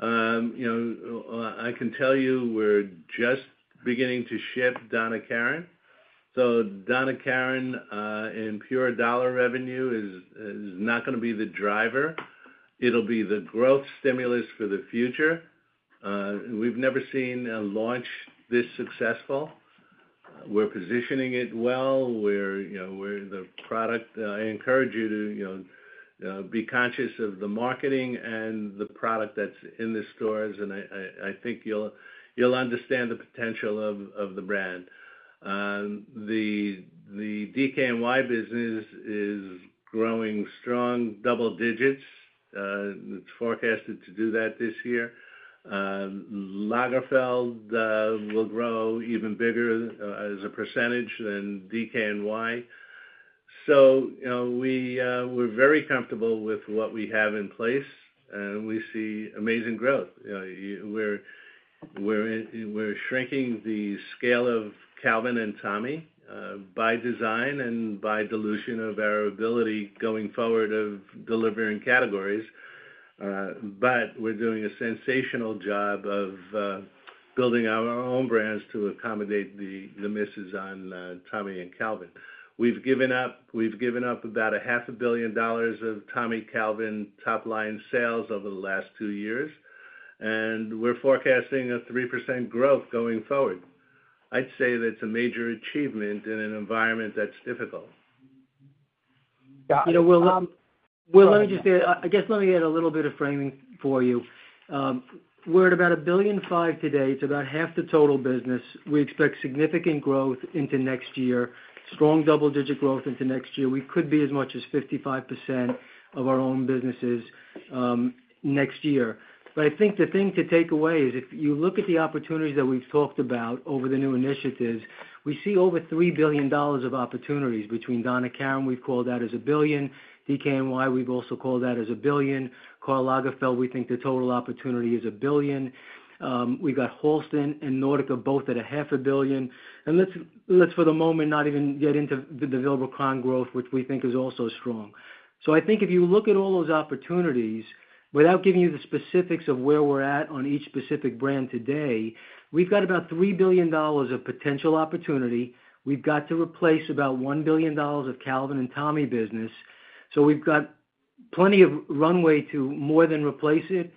You know, I can tell you we're just beginning to ship Donna Karan. So Donna Karan, in pure dollar revenue is not gonna be the driver. It'll be the growth stimulus for the future. We've never seen a launch this successful. We're positioning it well. We're, you know, we're the product. I encourage you to, you know, be conscious of the marketing and the product that's in the stores, and I think you'll understand the potential of the brand. The DKNY business is growing strong double digits. It's forecasted to do that this year. Lagerfeld will grow even bigger, as a percentage than DKNY. So, you know, we're very comfortable with what we have in place, and we see amazing growth. We're shrinking the scale of Calvin and Tommy by design and by dilution of our ability going forward of delivering categories. But we're doing a sensational job of building our own brands to accommodate the misses on Tommy and Calvin. We've given up about $500 million of Tommy Calvin top-line sales over the last two years, and we're forecasting a 3% growth going forward. I'd say that's a major achievement in an environment that's difficult. Got it. You know, Will, Will, let me just say. I guess, let me add a little bit of framing for you. We're at about $1.5 billion today. It's about half the total business. We expect significant growth into next year. Strong double-digit growth into next year. We could be as much as 55% of our own businesses next year. But I think the thing to take away is if you look at the opportunities that we've talked about over the new initiatives, we see over $3 billion of opportunities between Donna Karan, we've called that as $1 billion. DKNY, we've also called that as $1 billion. Karl Lagerfeld, we think the total opportunity is $1 billion. We got Halston and Nautica, both at $500 million. And let's, let's for the moment, not even get into the Vilebrequin growth, which we think is also strong. So I think if you look at all those opportunities, without giving you the specifics of where we're at on each specific brand today, we've got about $3 billion of potential opportunity. We've got to replace about $1 billion of Calvin and Tommy business. So we've got plenty of runway to more than replace it,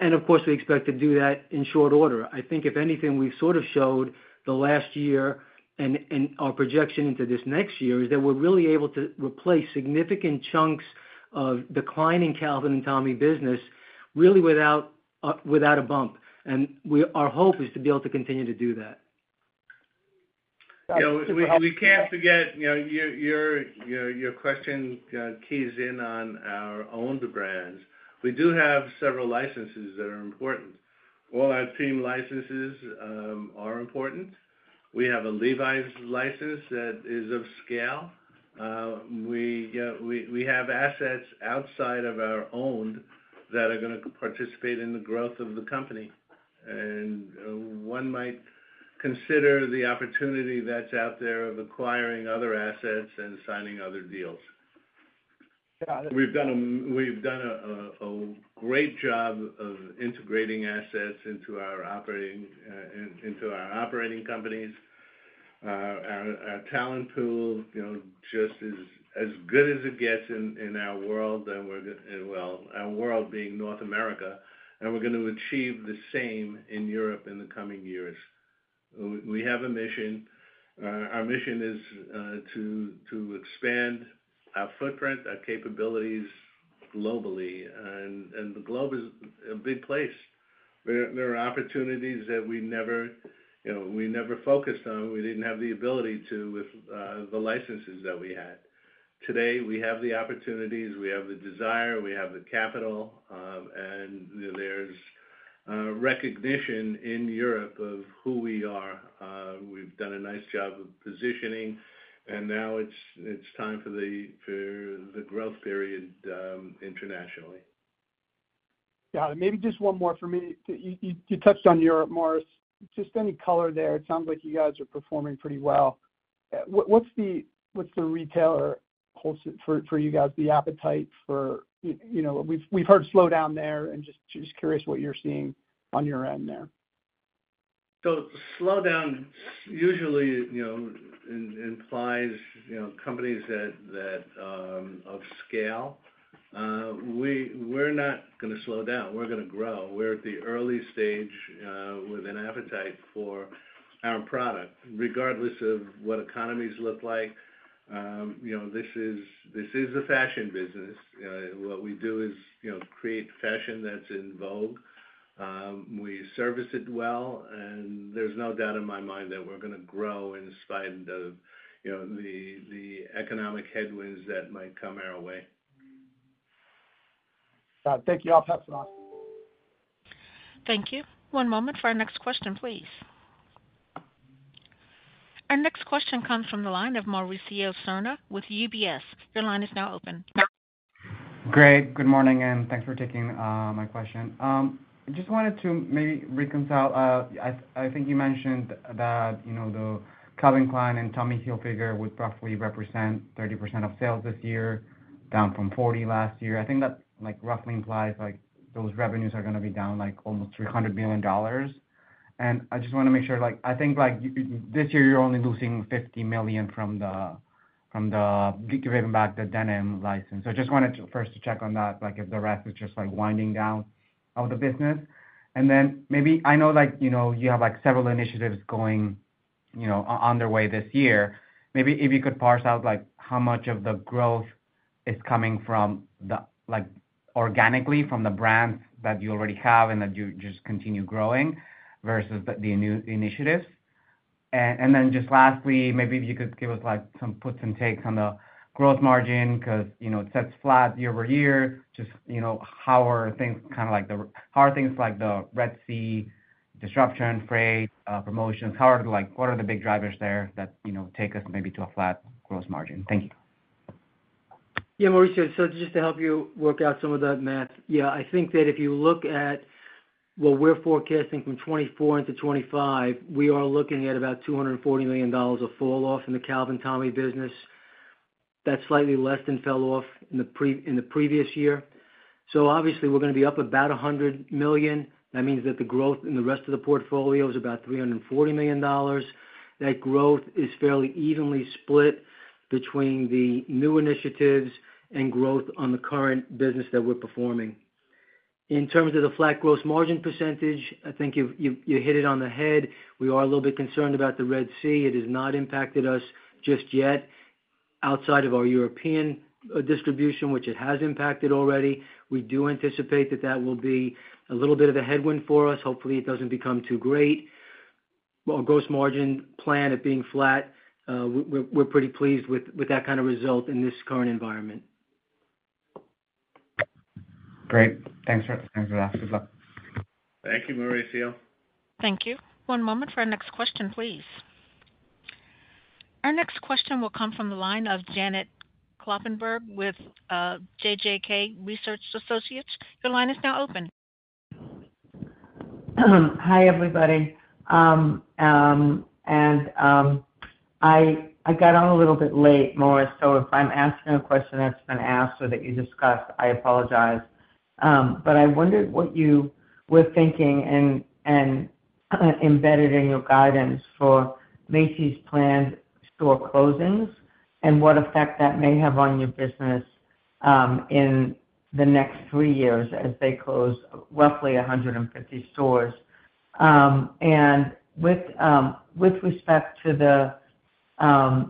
and of course, we expect to do that in short order. I think if anything, we've sort of showed the last year and, and our projection into this next year, is that we're really able to replace significant chunks of declining Calvin and Tommy business, really without a, without a bump. And we, our hope is to be able to continue to do that. Yeah, we can't forget, you know, your question keys in on our own brands. We do have several licenses that are important. All our team licenses are important. We have a Levi's license that is of scale. We have assets outside of our own that are gonna participate in the growth of the company, and one might consider the opportunity that's out there of acquiring other assets and signing other deals. Yeah. We've done a great job of integrating assets into our operating companies. Our talent pool, you know, just as good as it gets in our world, and our world being North America, and we're going to achieve the same in Europe in the coming years. We have a mission. Our mission is to expand our footprint, our capabilities globally, and the globe is a big place. There are opportunities that we never, you know, we never focused on. We didn't have the ability to with the licenses that we had. Today, we have the opportunities, we have the desire, we have the capital, and there's recognition in Europe of who we are. We've done a nice job of positioning, and now it's time for the growth period, internationally. Got it. Maybe just one more for me. You touched on Europe, Morris. Just any color there. It sounds like you guys are performing pretty well. What's the retailer wholesale for you guys, the appetite for? You know, we've heard slowdown there, and just curious what you're seeing on your end there. So slowdown usually, you know, implies companies that of scale. We're not gonna slow down. We're gonna grow. We're at the early stage with an appetite for our product, regardless of what economies look like. You know, this is a fashion business. What we do is, you know, create fashion that's in vogue. We service it well, and there's no doubt in my mind that we're gonna grow in spite of, you know, the economic headwinds that might come our way. Thank you. I'll pass it on. Thank you. One moment for our next question, please. Our next question comes from the line of Mauricio Serna with UBS. Your line is now open. Great. Good morning, and thanks for taking my question. Just wanted to maybe reconcile, I think you mentioned that, you know, the Calvin Klein and Tommy Hilfiger would roughly represent 30% of sales this year, down from 40% last year. I think that, like, roughly implies, like, those revenues are gonna be down, like, almost $300 million. And I just wanna make sure, like, I think, like, this year, you're only losing $50 million from the giving back the denim license. So I just wanted to first check on that, like, if the rest is just, like, winding down of the business. And then maybe I know, like, you know, you have, like, several initiatives going, you know, on their way this year. Maybe if you could parse out, like, how much of the growth is coming from the, like, organically from the brands that you already have and that you just continue growing versus the, the new initiatives. And, and then just lastly, maybe if you could give us, like, some puts and takes on the gross margin, 'cause, you know, it sets flat year-over-year. Just, you know, how are things kind of like the, how are things like the Red Sea disruption, freight, promotions? How are the, like, what are the big drivers there that, you know, take us maybe to a flat growth margin? Thank you. Yeah, Mauricio, so just to help you work out some of that math. Yeah, I think that if you look at what we're forecasting from 2024 into 2025, we are looking at about $240 million of falloff in the Calvin Tommy business. That's slightly less than fell off in the previous year. So obviously, we're gonna be up about $100 million. That means that the growth in the rest of the portfolio is about $340 million. That growth is fairly evenly split between the new initiatives and growth on the current business that we're performing. In terms of the flat gross margin percentage, I think you've hit it on the head. We are a little bit concerned about the Red Sea. It has not impacted us just yet. Outside of our European distribution, which it has impacted already, we do anticipate that that will be a little bit of a headwind for us. Hopefully, it doesn't become too great. Well, our gross margin plan of being flat, we're pretty pleased with that kind of result in this current environment. Great. Thanks for that. Good luck. Thank you, Mauricio. Thank you. One moment for our next question, please. Our next question will come from the line of Janet Kloppenburg with JJK Research Associates. Your line is now open. Hi, everybody. I got on a little bit late, Morris, so if I'm asking a question that's been asked or that you discussed, I apologize. But I wondered what you were thinking and embedded in your guidance for Macy's planned store closings and what effect that may have on your business in the next three years as they close roughly 150 stores. And with respect to the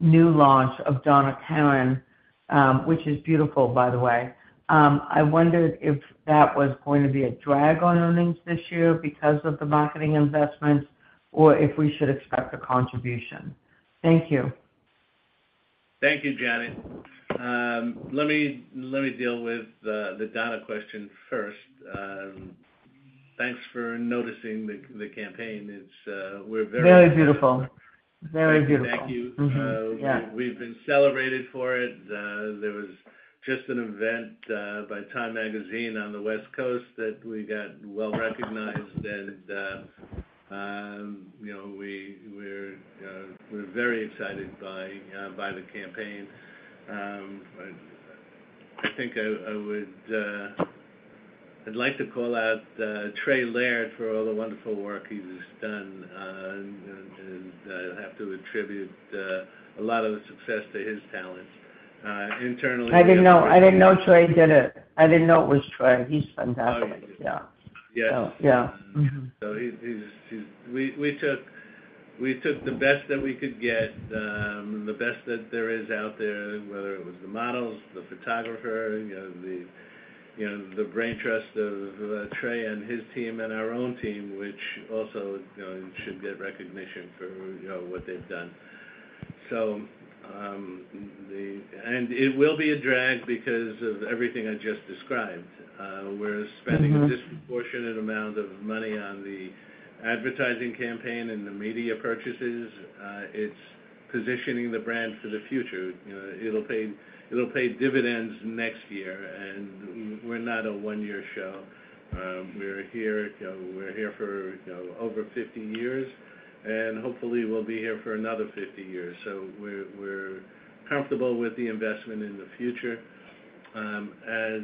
new launch of Donna Karan, which is beautiful, by the way, I wondered if that was going to be a drag on earnings this year because of the marketing investments, or if we should expect a contribution. Thank you. Thank you, Janet. Let me deal with the Donna question first. Thanks for noticing the campaign. Very beautiful. Very beautiful. Thank you. Yeah. We've been celebrated for it. There was just an event by Time Magazine on the West Coast that we got well recognized, and, you know, we're very excited by the campaign. I think I'd like to call out Trey Laird for all the wonderful work he's done, and I'd have to attribute a lot of the success to his talents. I didn't know, I didn't know Trey did it. I didn't know it was Trey. He's fantastic. Oh, yeah. Yeah. Yeah. We took the best that we could get, the best that there is out there, whether it was the models, the photographer, you know, the brain trust of Trey and his team and our own team, which also, you know, should get recognition for, you know, what they've done. So, and it will be a drag because of everything I just described. We're spending a disproportionate amount of money on the advertising campaign and the media purchases. It's positioning the brand for the future. You know, it'll pay dividends next year, and we're not a one-year show. We're here, you know, for over 50 years, and hopefully we'll be here for another 50 years. So we're comfortable with the investment in the future. As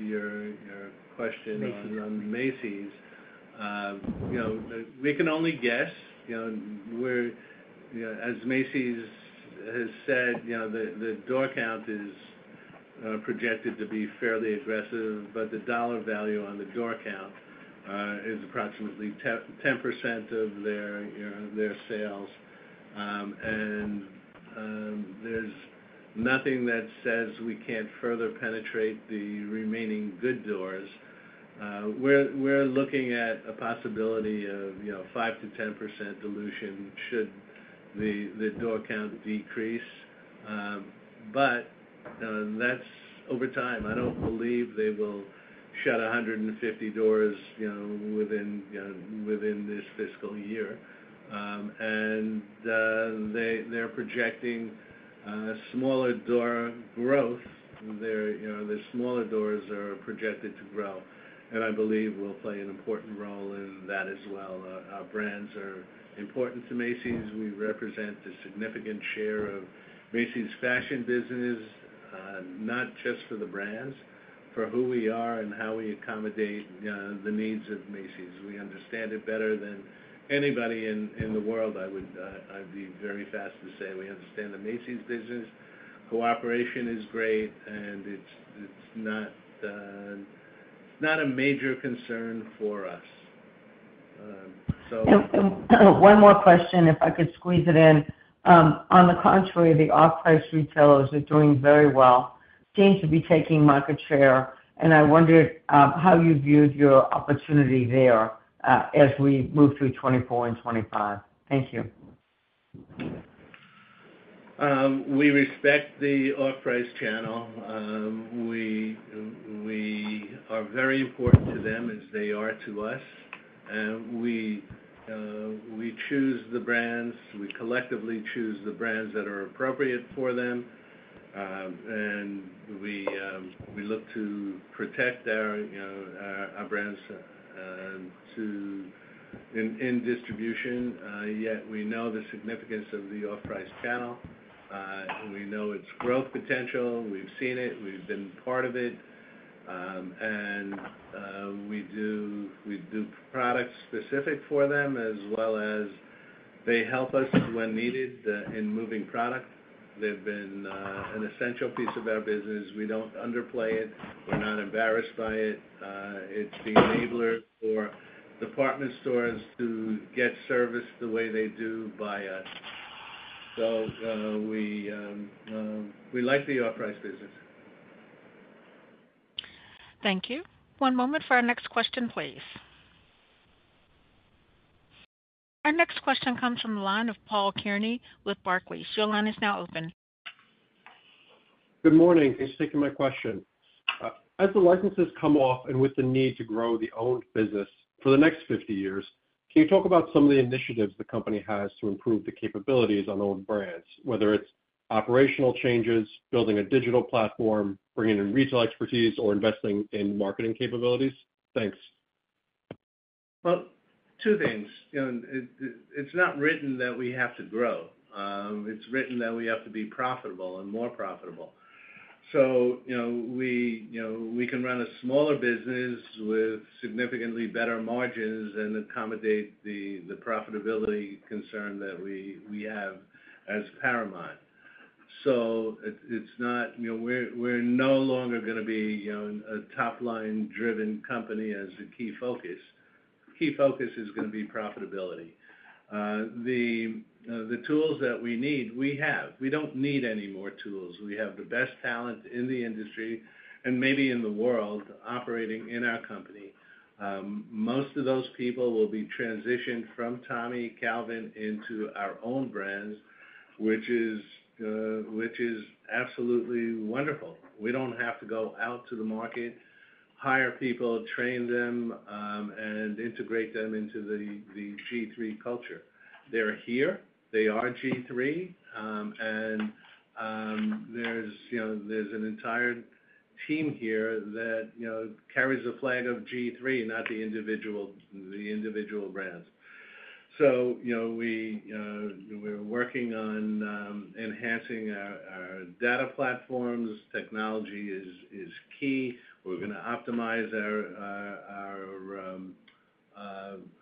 your question on Macy's, you know, we can only guess. You know, we're, you know, as Macy's has said, you know, the door count is projected to be fairly aggressive, but the dollar value on the door count is approximately 10% of their sales. And there's nothing that says we can't further penetrate the remaining good doors. We're looking at a possibility of, you know, 5%-10% dilution should the door count decrease. But that's over time. I don't believe they will shut 150 doors, you know, within this fiscal year. And they're projecting smaller door growth. Their smaller doors are projected to grow, and I believe we'll play an important role in that as well. Our brands are important to Macy's. We represent a significant share of Macy's fashion business, not just for the brands, for who we are and how we accommodate the needs of Macy's. We understand it better than anybody in the world. I would, I'd be very fast to say we understand the Macy's business. Cooperation is great, and it's not a major concern for us. One more question, if I could squeeze it in. On the contrary, the off-price retailers are doing very well, seems to be taking market share, and I wondered how you viewed your opportunity there, as we move through 2024 and 2025. Thank you. We respect the off-price channel. We are very important to them as they are to us, and we choose the brands, we collectively choose the brands that are appropriate for them. And we look to protect their, you know, our, our brands to in distribution, yet we know the significance of the off-price channel. We know its growth potential. We've seen it. We've been part of it. And we do products specific for them, as well as they help us when needed in moving product. They've been an essential piece of our business. We don't underplay it. We're not embarrassed by it. It's the enabler for department stores to get service the way they do by us. So, we like the off-price business. Thank you. One moment for our next question, please. Our next question comes from the line of Paul Kearney with Barclays. Your line is now open. Good morning. Thanks for taking my question. As the licenses come off and with the need to grow the owned business for the next 50 years, can you talk about some of the initiatives the company has to improve the capabilities on owned brands, whether it's operational changes, building a digital platform, bringing in retail expertise, or investing in marketing capabilities? Thanks. Well, two things. You know, it's not written that we have to grow. It's written that we have to be profitable and more profitable. So, you know, we can run a smaller business with significantly better margins and accommodate the profitability concern that we have as paramount. So it's not... You know, we're no longer gonna be a top line-driven company as a key focus. Key focus is gonna be profitability. The tools that we need, we have. We don't need any more tools. We have the best talent in the industry and maybe in the world operating in our company. Most of those people will be transitioned from Tommy Calvin into our own brands, which is absolutely wonderful. We don't have to go out to the market, hire people, train them, and integrate them into the G-III culture. They're here, they are G-III, and there's, you know, there's an entire team here that, you know, carries a flag of G-III, not the individual, the individual brands. So, you know, we're working on enhancing our data platforms. Technology is key. We're gonna optimize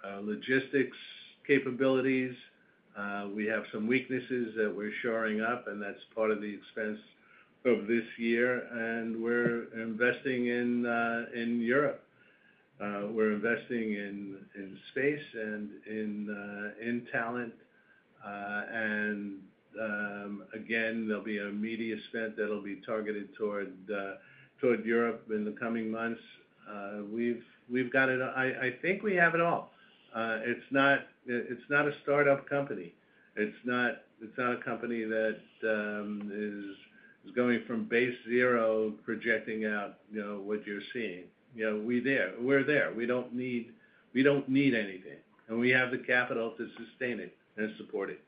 our logistics capabilities. We have some weaknesses that we're shoring up, and that's part of the expense of this year, and we're investing in Europe. We're investing in space and in talent. And again, there'll be a media spend that'll be targeted toward Europe in the coming months. We've got it. I think we have it all. It's not a startup company. It's not a company that is going from base zero, projecting out, you know, what you're seeing. You know, we're there, we're there. We don't need, we don't need anything, and we have the capital to sustain it and support it.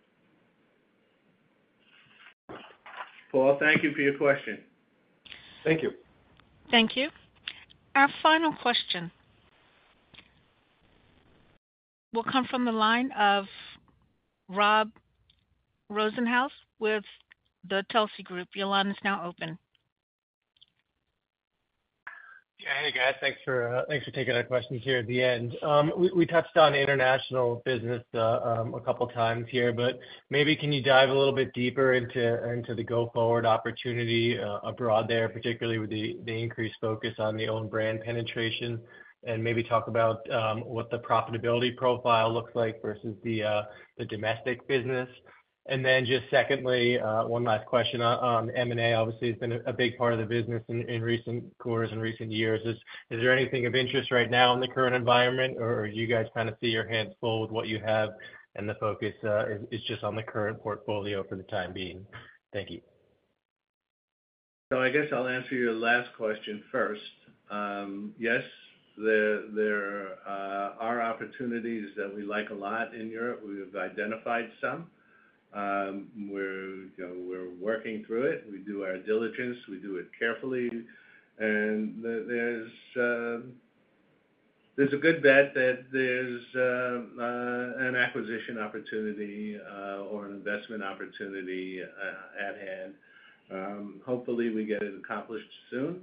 Paul, thank you for your question. Thank you. Thank you. Our final question will come from the line of Rob Rosenhaus with Telsey Group. Your line is now open. Yeah. Hey, guys. Thanks for taking our questions here at the end. We touched on the international business a couple of times here, but maybe can you dive a little bit deeper into the go-forward opportunity abroad there, particularly with the increased focus on the own brand penetration, and maybe talk about what the profitability profile looks like versus the domestic business? And then just secondly, one last question on M&A. Obviously, it's been a big part of the business in recent quarters, in recent years. Is there anything of interest right now in the current environment, or you guys kinda see your hands full with what you have, and the focus is just on the current portfolio for the time being? Thank you. So I guess I'll answer your last question first. Yes, there are opportunities that we like a lot in Europe. We have identified some. We're, you know, working through it. We do our diligence, we do it carefully, and there's a good bet that there's an acquisition opportunity or an investment opportunity at hand. Hopefully, we get it accomplished soon.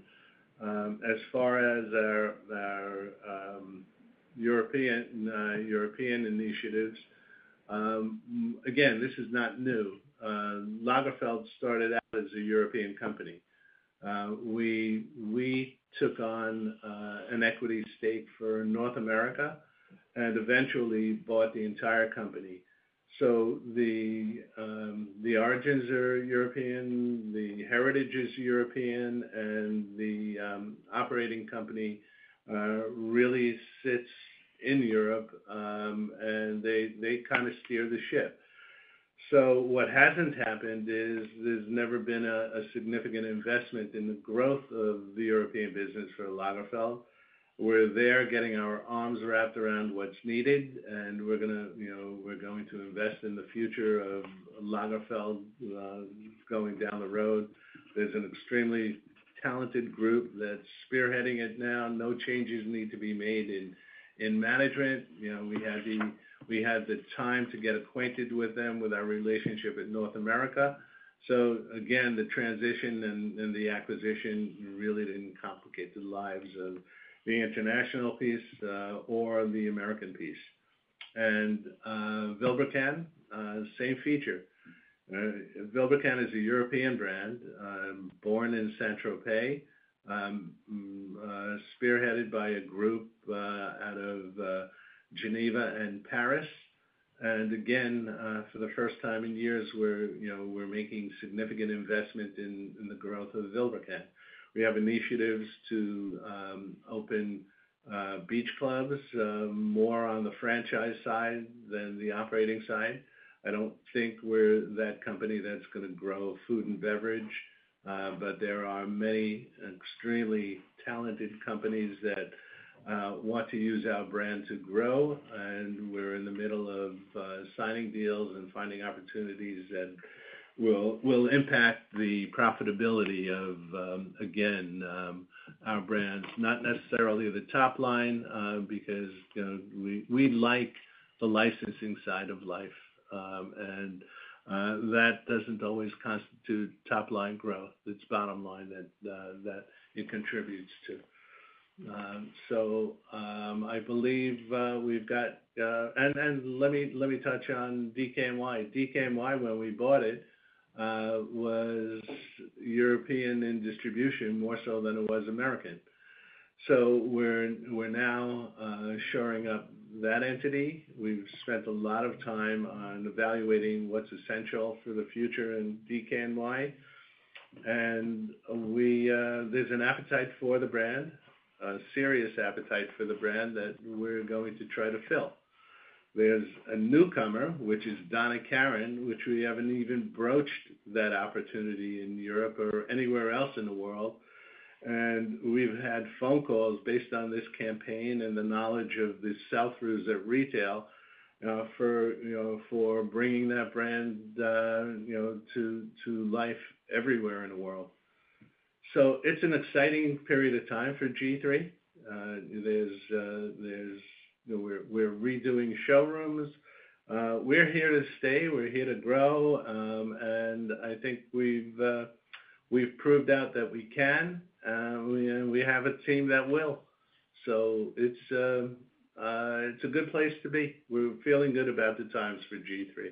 As far as our European initiatives, again, this is not new. Lagerfeld started out as a European company. We took on an equity stake for North America and eventually bought the entire company. So the origins are European, the heritage is European, and the operating company really sits in Europe, and they kinda steer the ship. So what hasn't happened is there's never been a significant investment in the growth of the European business for Lagerfeld. We're there getting our arms wrapped around what's needed, and we're gonna, you know, we're going to invest in the future of Lagerfeld, going down the road. There's an extremely talented group that's spearheading it now. No changes need to be made in management. You know, we had the time to get acquainted with them, with our relationship with North America. So again, the transition and the acquisition really didn't complicate the lives of the international piece, or the American piece. And, Vilebrequin, same feature. Vilebrequin is a European brand, born in Saint-Tropez, spearheaded by a group, out of, Geneva and Paris. And again, for the first time in years, we're, you know, we're making significant investment in the growth of Vilebrequin. We have initiatives to open beach clubs, more on the franchise side than the operating side. I don't think we're that company that's gonna grow food and beverage, but there are many extremely talented companies that want to use our brand to grow, and we're in the middle of signing deals and finding opportunities that will impact the profitability of, again, our brands. Not necessarily the top line, because, you know, we like the licensing side of life, and that doesn't always constitute top-line growth. It's bottom line that it contributes to. So, I believe we've got. And, let me touch on DKNY. DKNY, when we bought it, was European in distribution, more so than it was American. So we're now shoring up that entity. We've spent a lot of time on evaluating what's essential for the future in DKNY. And there's an appetite for the brand, a serious appetite for the brand that we're going to try to fill. There's a newcomer, which is Donna Karan, which we haven't even broached that opportunity in Europe or anywhere else in the world. And we've had phone calls based on this campaign and the knowledge of the sell-throughs at retail, for, you know, for bringing that brand, you know, to life everywhere in the world. So it's an exciting period of time for G-III. There's. We're redoing showrooms. .We're here to stay, we're here to grow, and I think we've, we've proved out that we can, and we have a team that will. So it's, it's a good place to be. We're feeling good about the times for G-III.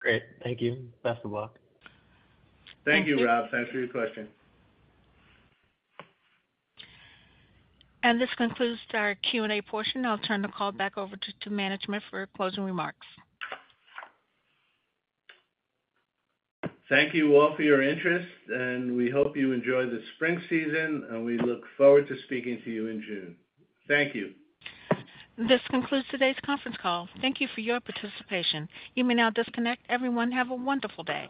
Great. Thank you. Best of luck. Thank you, Rob. Thanks for your question. This concludes our Q&A portion. I'll turn the call back over to management for closing remarks. Thank you all for your interest, and we hope you enjoy the spring season, and we look forward to speaking to you in June. Thank you. This concludes today's conference call. Thank you for your participation. You may now disconnect. Everyone, have a wonderful day.